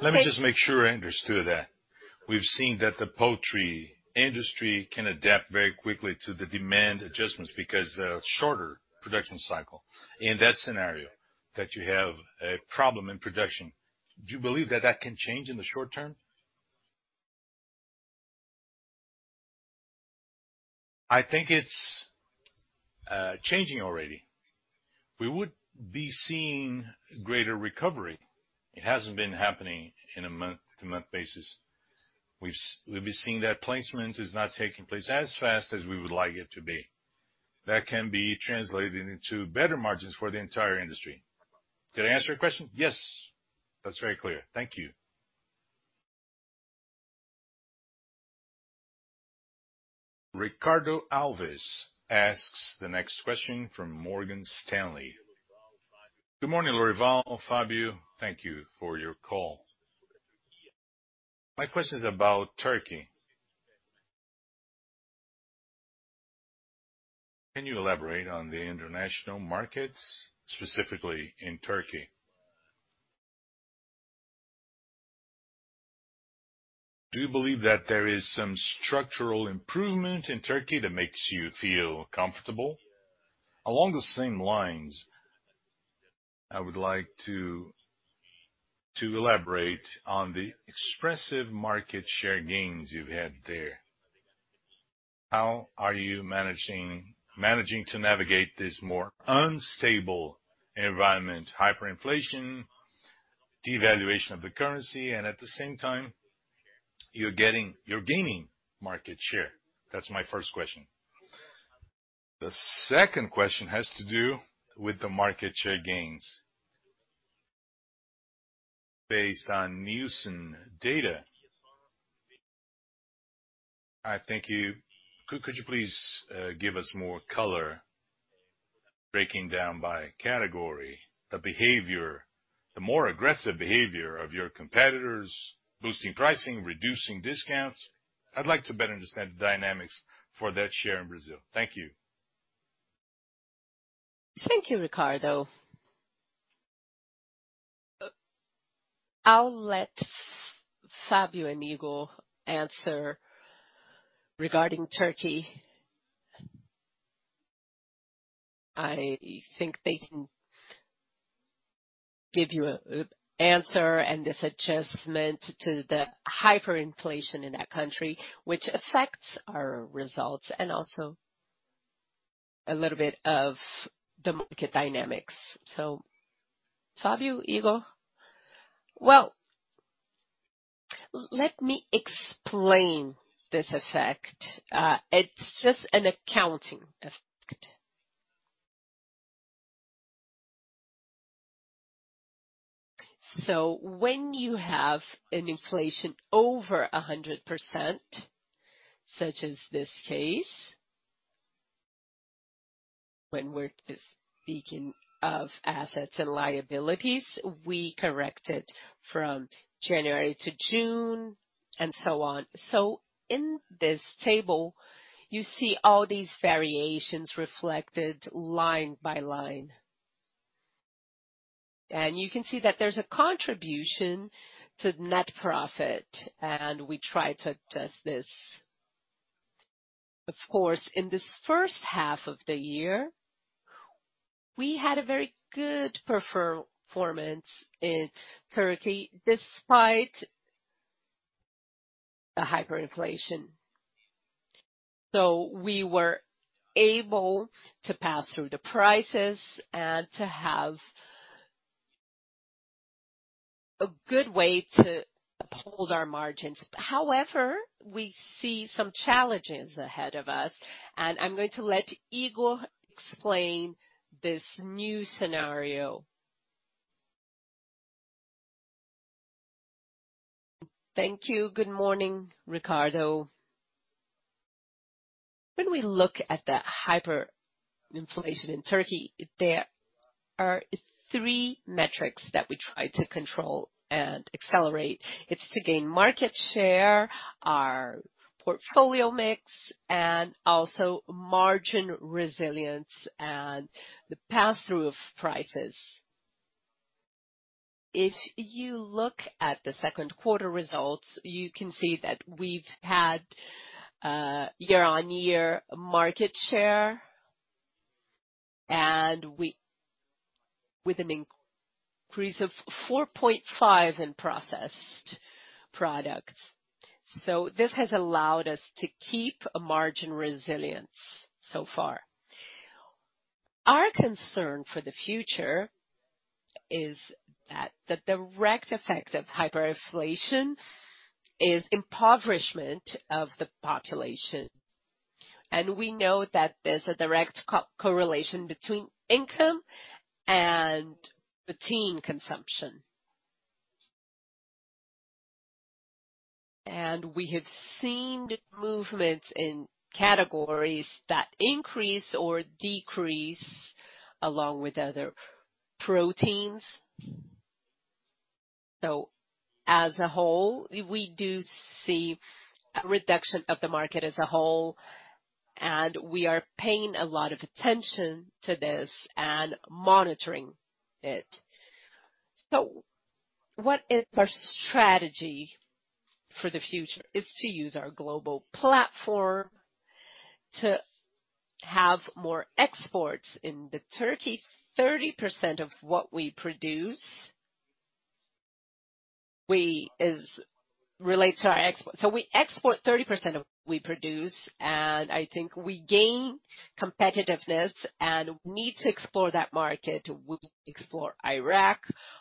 Let me just make sure I understood that. We've seen that the poultry industry can adapt very quickly to the demand adjustments because of shorter production cycle. In that scenario that you have a problem in production, do you believe that that can change in the short term? I think it's changing already. We would be seeing greater recovery. It hasn't been happening in a month-to-month basis. We've been seeing that placement is not taking place as fast as we would like it to be. That can be translated into better margins for the entire industry. Did I answer your question? Yes. That's very clear. Thank you. Ricardo Alves asks the next question from Morgan Stanley. Good morning, Lorival, Fabio. Thank you for your call. My question is about Turkey. Can you elaborate on the international markets, specifically in Turkey? Do you believe that there is some structural improvement in Turkey that makes you feel comfortable? Along the same lines, I would like to elaborate on the expressive market share gains you've had there. How are you managing to navigate this more unstable environment, hyperinflation, devaluation of the currency, and at the same time, you're gaining market share? That's my 1st question. The 2nd question has to do with the market share gains based on Nielsen data. I thank you. Could you please give us more color, breaking down by category, the more aggressive behavior of your competitors, boosting pricing, reducing discounts? I'd like to better understand the dynamics for that share in Brazil. Thank you. Thank you, Ricardo. I'll let Fabio and Igor answer regarding Turkey. I think they can give you an answer and this adjustment to the hyperinflation in that country, which affects our results and also a little bit of the market dynamics. Fabio, Igor? Well, let me explain this effect. It's just an accounting effect. When you have an inflation over 100%, such as this case, when we're speaking of assets and liabilities, we correct it from January to June and so on. In this table, you see all these variations reflected line by line. You can see that there's a contribution to net profit, and we try to adjust this. Of course, in this 1st half of the year, we had a very good performance in Turkey despite the hyperinflation. We were able to pass through the prices and to have a good way to uphold our margins. However, we see some challenges ahead of us, and I'm going to let Igor explain this new scenario. Thank you. Good morning, Ricardo. When we look at the hyperinflation in Turkey, there are three metrics that we try to control and accelerate. It's to gain market share, our portfolio mix, and also margin resilience and the pass-through of prices. If you look at the 2nd quarter results, you can see that we've had year-on-year market share with an increase of 4.5% in processed products. This has allowed us to keep a margin resilience so far. Our concern for the future is that the direct effect of hyperinflation is impoverishment of the population. We know that there's a direct correlation between income and protein consumption. We have seen movements in categories that increase or decrease along with other proteins. As a whole, we do see a reduction of the market as a whole, and we are paying a lot of attention to this and monitoring it. What is our strategy for the future? It is to use our global platform to have more exports. In Turkey, 30% of what we produce is related to our export. We export 30% of what we produce, and I think we gain competitiveness and need to export to that market. We export to Iraq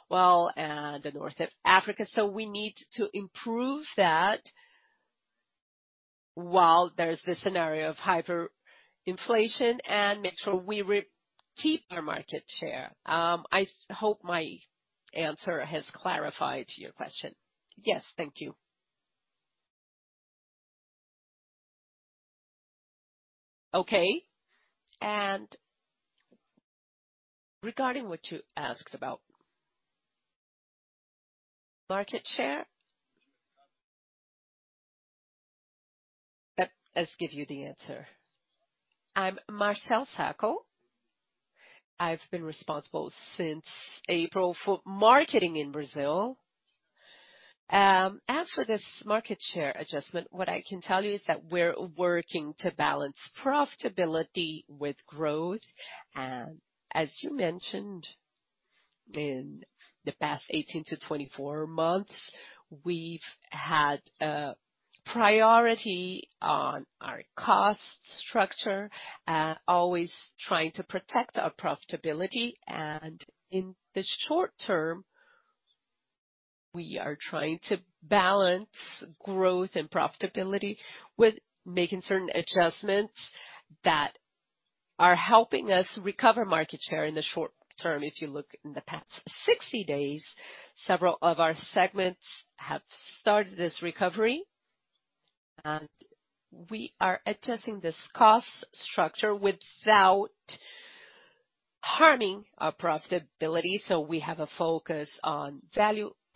well, and North Africa, so we need to improve that while there's this scenario of hyperinflation and make sure we keep our market share. I hope my answer has clarified your question. Yes. Thank you. Okay. Regarding what you asked about market share. Let's give you the answer. I'm Marcel Sacco. I've been responsible since April for marketing in Brazil. As for this market share adjustment, what I can tell you is that we're working to balance profitability with growth. As you mentioned, in the past 18-24 months, we've had a priority on our cost structure and always trying to protect our profitability. In the short term, we are trying to balance growth and profitability with making certain adjustments that are helping us recover market share in the short term. If you look in the past 60 days, several of our segments have started this recovery, and we are adjusting this cost structure without harming our profitability.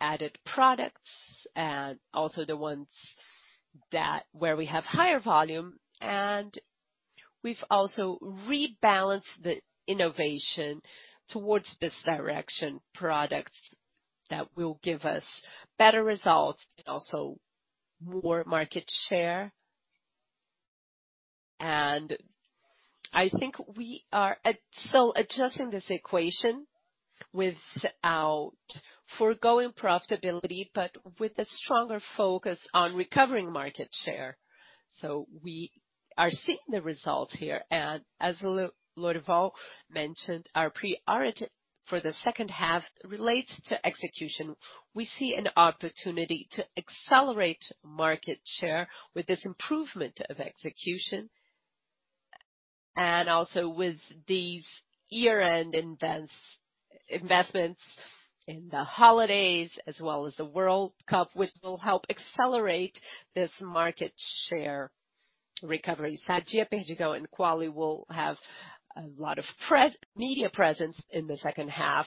We have a focus on value-added products and also the ones where we have higher volume. We've also rebalanced the innovation towards this direction, products that will give us better results and also more market share. I think we are still adjusting this equation without foregoing profitability, but with a stronger focus on recovering market share. We are seeing the results here. As Lorival mentioned, our priority for the 2nd half relates to execution. We see an opportunity to accelerate market share with this improvement of execution and also with these year-end investments in the holidays as well as the World Cup, which will help accelerate this market share recovery. Sadia, Perdigão, and Qualy will have a lot of presence media presence in the 2nd half.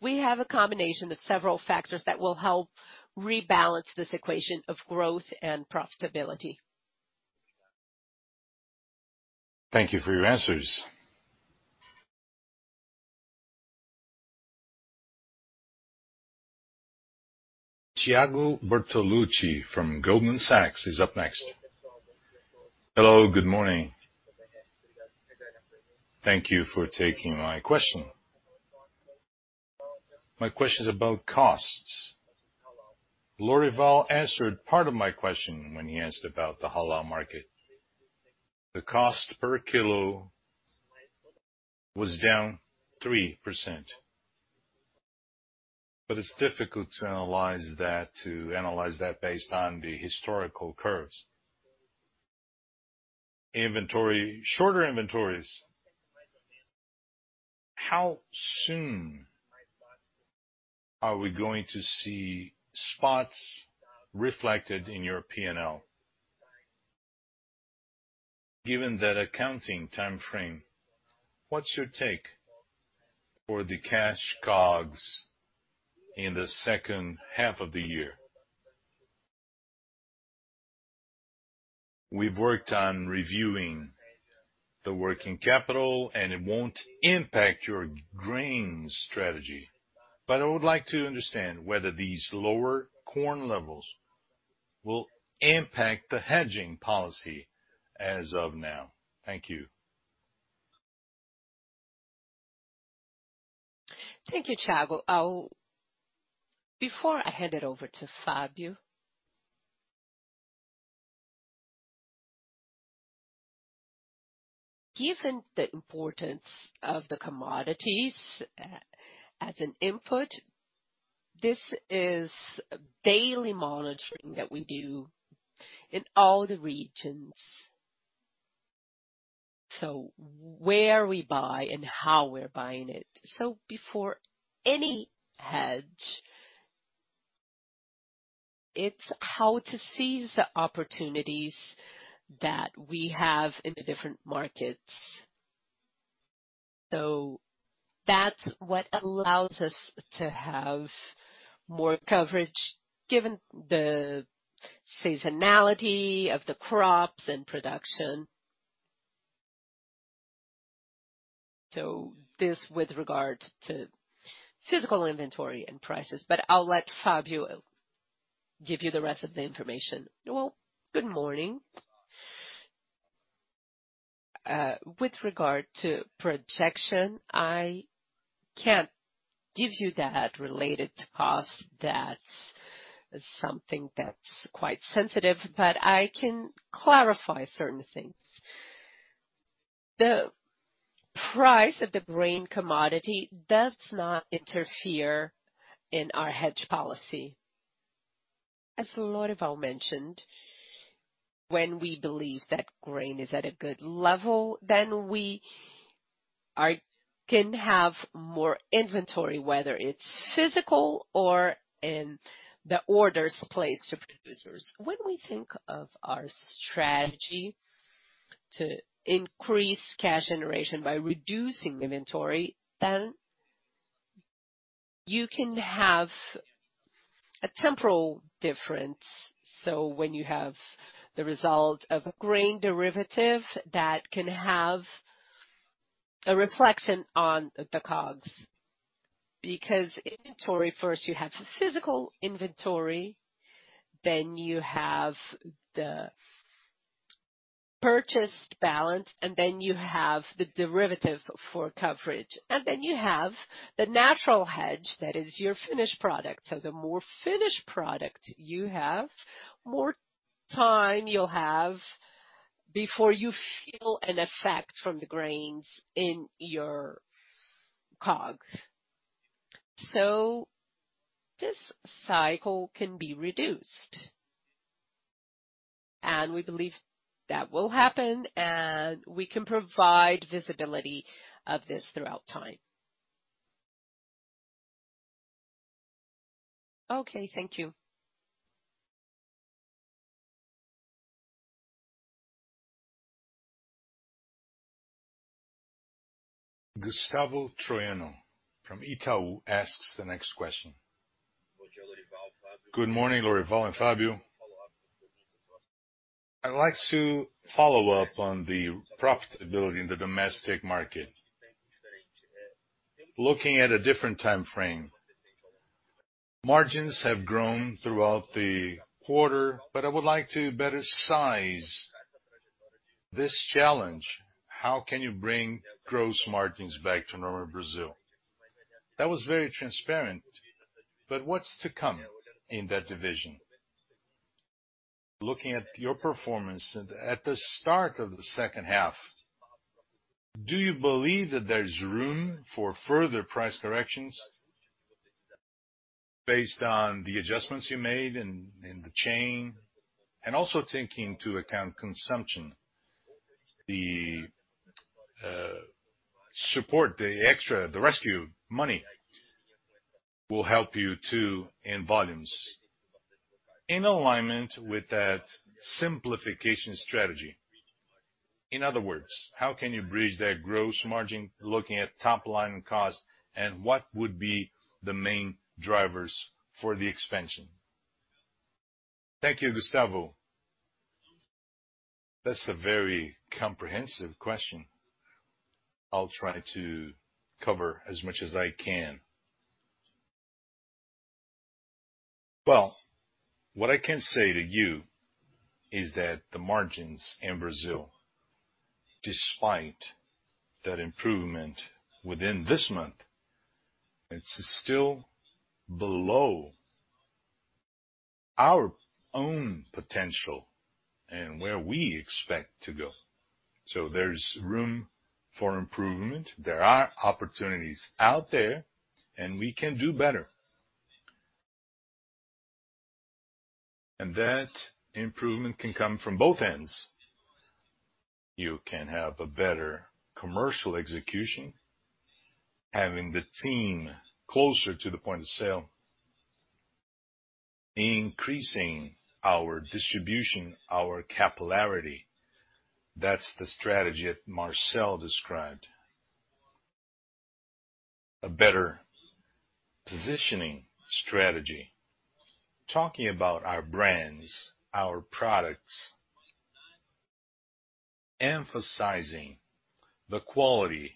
We have a combination of several factors that will help rebalance this equation of growth and profitability. Thank you for your answers. Thiago Duarte from Goldman Sachs is up next. Hello, good morning. Thank you for taking my question. My question's about costs. Lorival answered part of my question when he asked about the halal market. The cost per kilo was down 3%. It's difficult to analyze that based on the historical curves. Inventory, shorter inventories. How soon are we going to see spots reflected in your P&L? Given that accounting time frame, what's your take for the cash COGS in the 2nd half of the year? We've worked on reviewing the working capital, and it won't impact your grain strategy. I would like to understand whether these lower corn levels will impact the hedging policy as of now. Thank you. Thank you, Thiago. Before I hand it over to Fabio. Given the importance of the commodities as an input, this is daily monitoring that we do in all the regions. Where we buy and how we're buying it. Before any hedge, it's how to seize the opportunities that we have in the different markets. That's what allows us to have more coverage given the seasonality of the crops and production. This with regard to physical inventory and prices. I'll let Fabio give you the rest of the information. Well, good morning. With regard to projection, I can't give you that related to cost. That's something that's quite sensitive, but I can clarify certain things. The price of the grain commodity does not interfere in our hedge policy. As Lorival mentioned, when we believe that grain is at a good level, then we can have more inventory, whether it's physical or in the orders placed to producers. When we think of our strategy to increase cash generation by reducing inventory, then you can have a temporal difference. When you have the result of a grain derivative that can have a reflection on the COGS, because inventory, 1st you have the physical inventory, then you have the purchased balance, and then you have the derivative for coverage. You have the natural hedge that is your finished product. The more finished product you have, more time you'll have before you feel an effect from the grains in your COGS. This cycle can be reduced. We believe that will happen, and we can provide visibility of this throughout time. Okay, thank you. Gustavo Troyano from Itaú asks the next question. Good morning, Lorival and Fabio. I'd like to follow up on the profitability in the domestic market. Looking at a different time frame. Margins have grown throughout the quarter, but I would like to better size this challenge. How can you bring gross margins back to normal in Brazil? That was very transparent, but what's to come in that division? Looking at your performance and at the start of the 2nd half, do you believe that there's room for further price corrections based on the adjustments you made in the chain? Also taking into account consumption. The support, the extra, the rescue money will help you too in volumes. In alignment with that simplification strategy. In other words, how can you bridge that gross margin looking at top line cost, and what would be the main drivers for the expansion? Thank you, Gustavo. That's a very comprehensive question. I'll try to cover as much as I can. Well, what I can say to you is that the margins in Brazil, despite that improvement within this month, it's still below our own potential and where we expect to go. There's room for improvement. There are opportunities out there, and we can do better. That improvement can come from both ends. You can have a better commercial execution, having the team closer to the point of sale, increasing our distribution, our capillarity. That's the strategy that Marcel described. A better positioning strategy, talking about our brands, our products, emphasizing the quality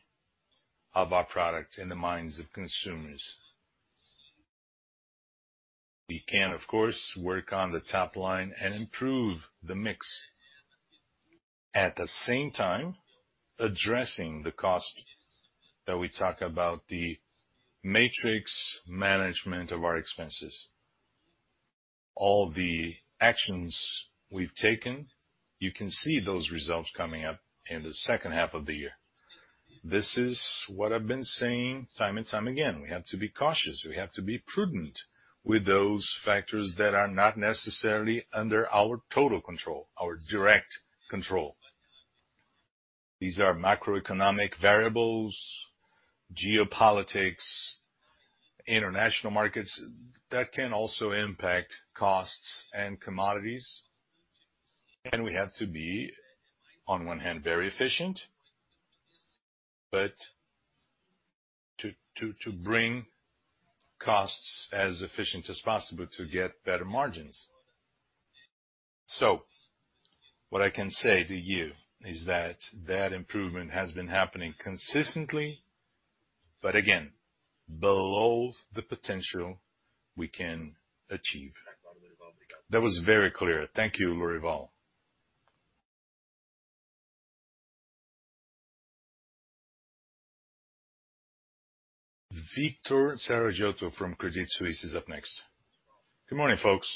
of our products in the minds of consumers. We can, of course, work on the top line and improve the mix. At the same time, addressing the cost that we talk about, the matrix management of our expenses, all the actions we've taken, you can see those results coming up in the 2nd half of the year. This is what I've been saying time and time again. We have to be cautious. We have to be prudent with those factors that are not necessarily under our total control, our direct control. These are macroeconomic variables, geopolitics, international markets that can also impact costs and commodities. We have to be, on one hand, very efficient, but to bring costs as efficient as possible to get better margins. What I can say to you is that that improvement has been happening consistently, but again, below the potential we can achieve. That was very clear. Thank you, Lorival. Victor Serruya from Credit Suisse is up next. Good morning, folks.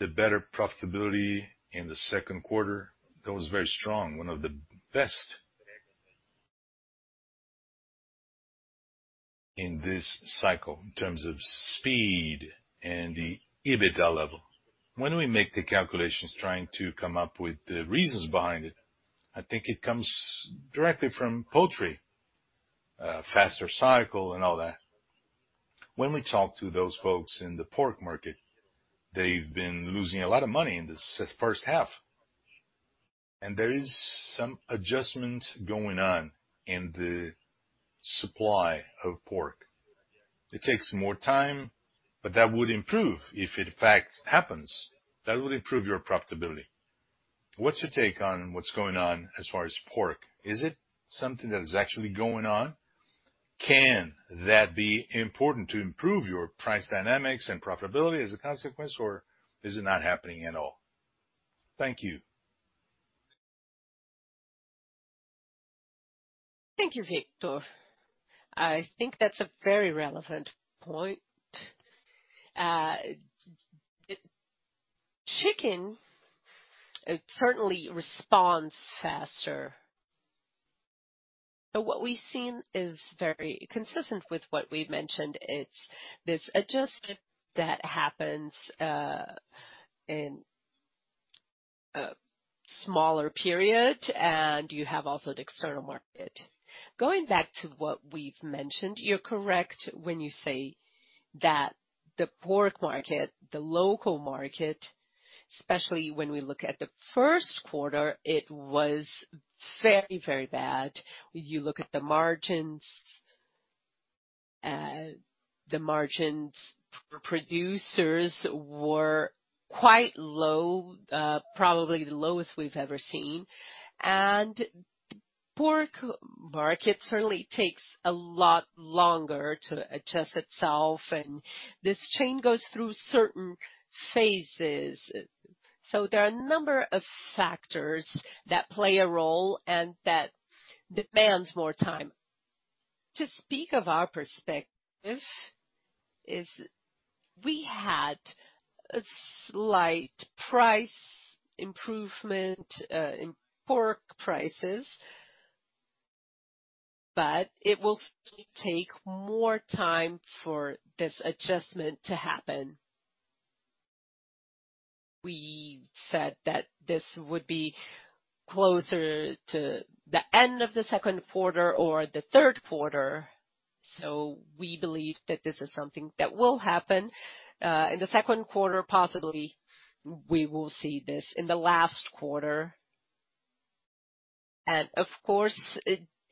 The better profitability in the 2nd quarter, that was very strong, one of the best in this cycle in terms of speed and the EBITDA level. When we make the calculations trying to come up with the reasons behind it, I think it comes directly from poultry, faster cycle and all that. When we talk to those folks in the pork market, they've been losing a lot of money in this 1st half, and there is some adjustment going on in the supply of pork. It takes more time, but that would improve if it in fact happens. That will improve your profitability. What's your take on what's going on as far as pork? Is it something that is actually going on? Can that be important to improve your price dynamics and profitability as a consequence, or is it not happening at all? Thank you. Thank you, Victor. I think that's a very relevant point. Chicken certainly responds faster. What we've seen is very consistent with what we've mentioned. It's this adjustment that happens in a smaller period. You have also the external market. Going back to what we've mentioned, you're correct when you say that the pork market, the local market, especially when we look at the 1st quarter, it was very, very bad. You look at the margins. The margins for producers were quite low, probably the lowest we've ever seen. Pork market certainly takes a lot longer to adjust itself, and this chain goes through certain phases. There are a number of factors that play a role and that demands more time. To speak of our perspective is we had a slight price improvement in pork prices, but it will still take more time for this adjustment to happen. We said that this would be closer to the end of the 2nd quarter or the 3rd quarter. We believe that this is something that will happen in the 2nd quarter possibly. We will see this in the last quarter. Of course,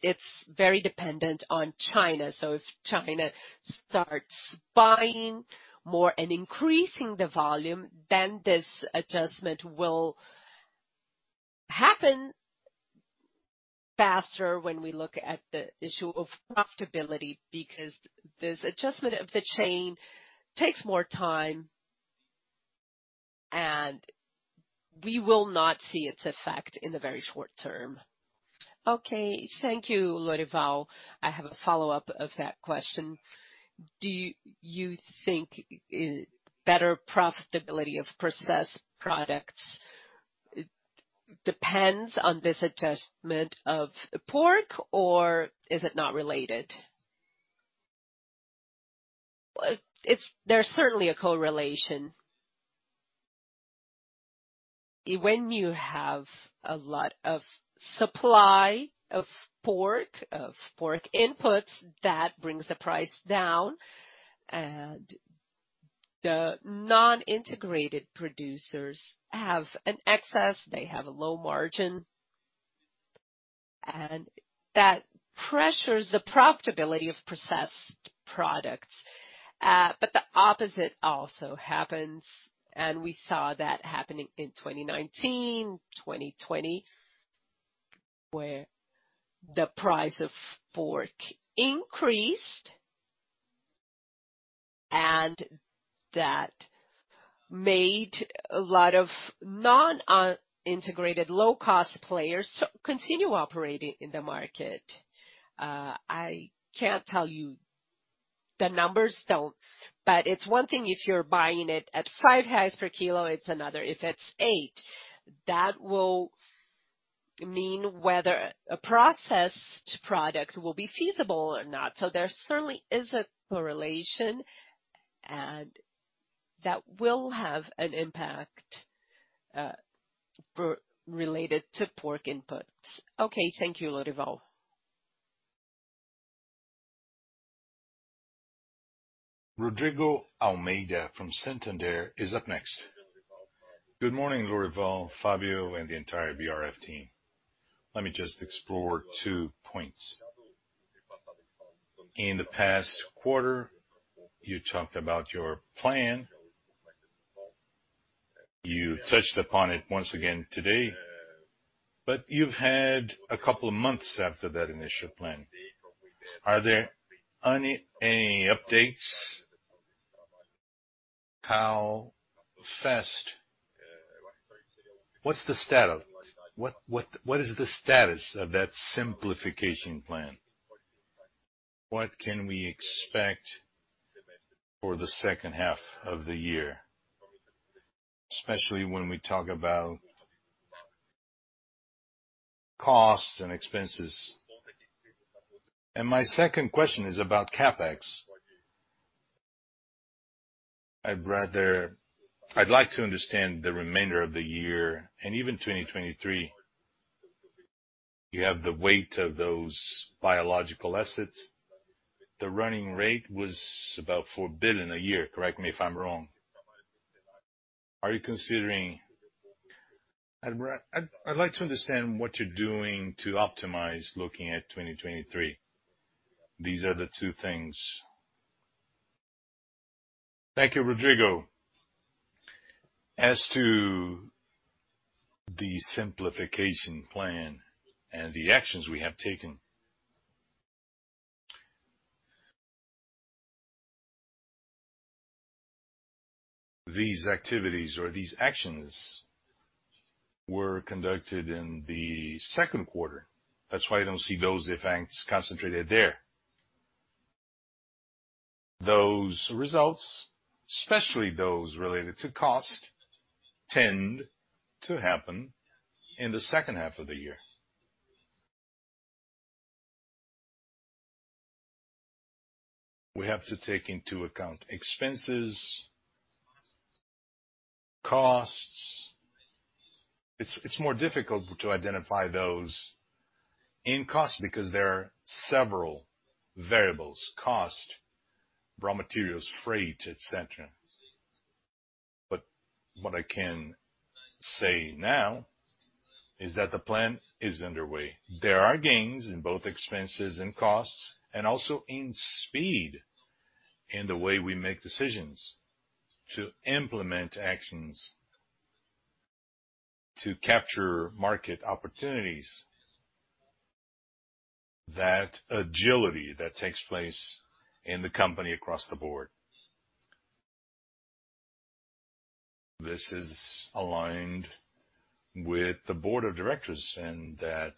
it's very dependent on China. If China starts buying more and increasing the volume, then this adjustment will happen faster when we look at the issue of profitability. Because this adjustment of the chain takes more time, and we will not see its effect in the very short term. Okay. Thank you, Lorival. I have a follow-up of that question. Do you think better profitability of processed products depends on this adjustment of the pork or is it not related? There's certainly a correlation. When you have a lot of supply of pork, of pork inputs, that brings the price down and the non-integrated producers have an excess, they have a low margin, and that pressures the profitability of processed products. But the opposite also happens, and we saw that happening in 2019, 2020, where the price of pork increased, and that made a lot of non-integrated low-cost players to continue operating in the market. I can't tell you, but it's one thing if you're buying it at 5 per kilo, it's another if it's 8 per kilo. That will mean whether a processed product will be feasible or not. There certainly is a correlation and that will have an impact, related to pork inputs. Okay. Thank you, Lorival. Rodrigo Almeida from Santander is up next. Good morning, Lorival, Fabio, and the entire BRF team. Let me just explore two points. In the past quarter, you talked about your plan. You touched upon it once again today, but you've had a couple of months after that initial plan. Are there any updates? What's the status? What is the status of that simplification plan? What can we expect for the 2nd half of the year, especially when we talk about costs and expenses? My 2nd question is about CapEx. I'd like to understand the remainder of the year and even 2023. You have the weight of those biological assets. The running rate was about 4 billion a year. Correct me if I'm wrong. Are you considering... I'd like to understand what you're doing to optimize looking at 2023. These are the two things. Thank you, Rodrigo. As to the simplification plan and the actions we have taken, these activities or these actions were conducted in the 2nd quarter. That's why you don't see those effects concentrated there. Those results, especially those related to costs, tend to happen in the 2nd half of the year. We have to take into account expenses, costs. It's more difficult to identify those in costs because there are several variables, costs, raw materials, freight, et cetera. What I can say now is that the plan is underway. There are gains in both expenses and costs and also in speed in the way we make decisions to implement actions to capture market opportunities. That agility that takes place in the company across the board. This is aligned with the board of directors and that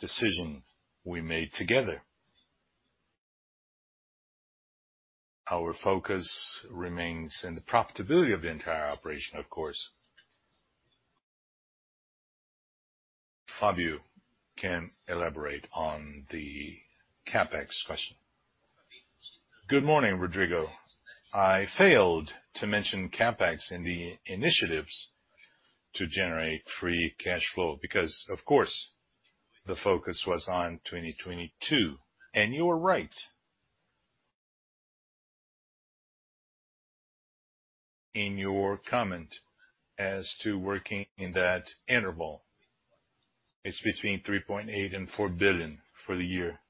decision we made together. Our focus remains in the profitability of the entire operation, of course. Fabio can elaborate on the CapEx question. Good morning, Rodrigo. I failed to mention CapEx in the initiatives to generate free cash flow because, of course, the focus was on 2022. You are right in your comment as to working in that interval. It's between 3.8 billion and 4 billion for the year.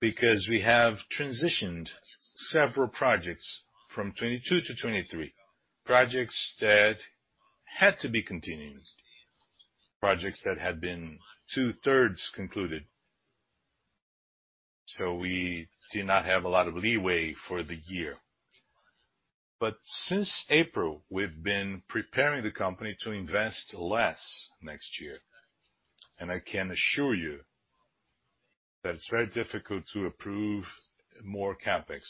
We have transitioned several projects from 2022 to 2023, projects that had to be continued, projects that had been 2/3 concluded. We did not have a lot of leeway for the year. Since April, we've been preparing the company to invest less next year. I can assure you that it's very difficult to approve more CapEx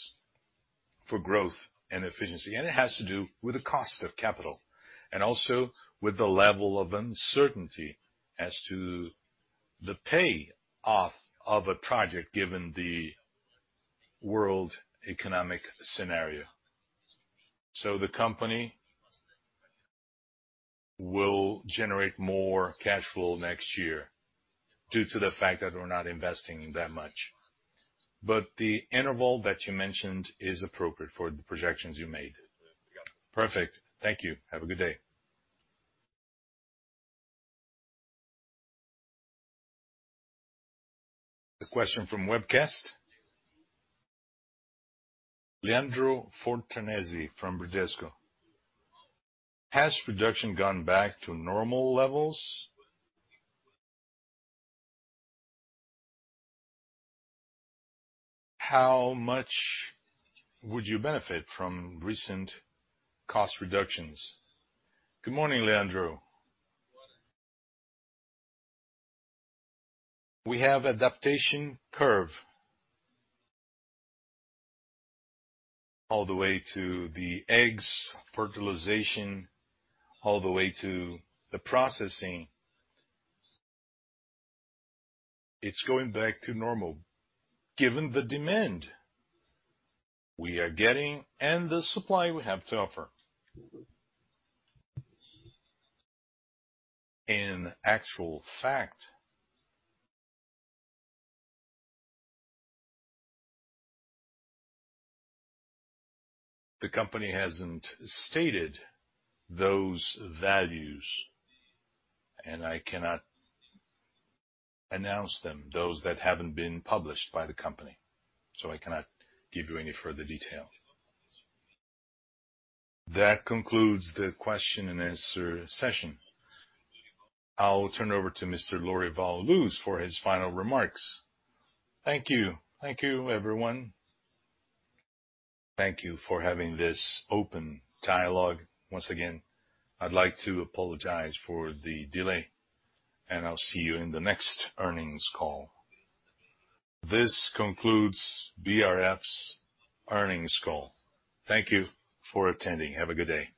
for growth and efficiency. It has to do with the cost of capital and also with the level of uncertainty as to the payoff of a project given the world economic scenario. The company will generate more cash flow next year due to the fact that we're not investing that much. The interval that you mentioned is appropriate for the projections you made. Perfect. Thank you. Have a good day. The question from webcast. Leandro Fontanesi from Bradesco. Has production gone back to normal levels? How much would you benefit from recent cost reductions? Good morning, Leandro. We have adaptation curve. All the way to the eggs fertilization, all the way to the processing. It's going back to normal given the demand we are getting and the supply we have to offer. In actual fact. The company hasn't stated those values, and I cannot announce them, those that haven't been published by the company. I cannot give you any further detail. That concludes the question and answer session. I'll turn over to Mr. Lorival Luz for his final remarks. Thank you. Thank you, everyone. Thank you for having this open dialogue. Once again, I'd like to apologize for the delay, and I'll see you in the next earnings call. This concludes BRF's earnings call. Thank you for attending. Have a good day.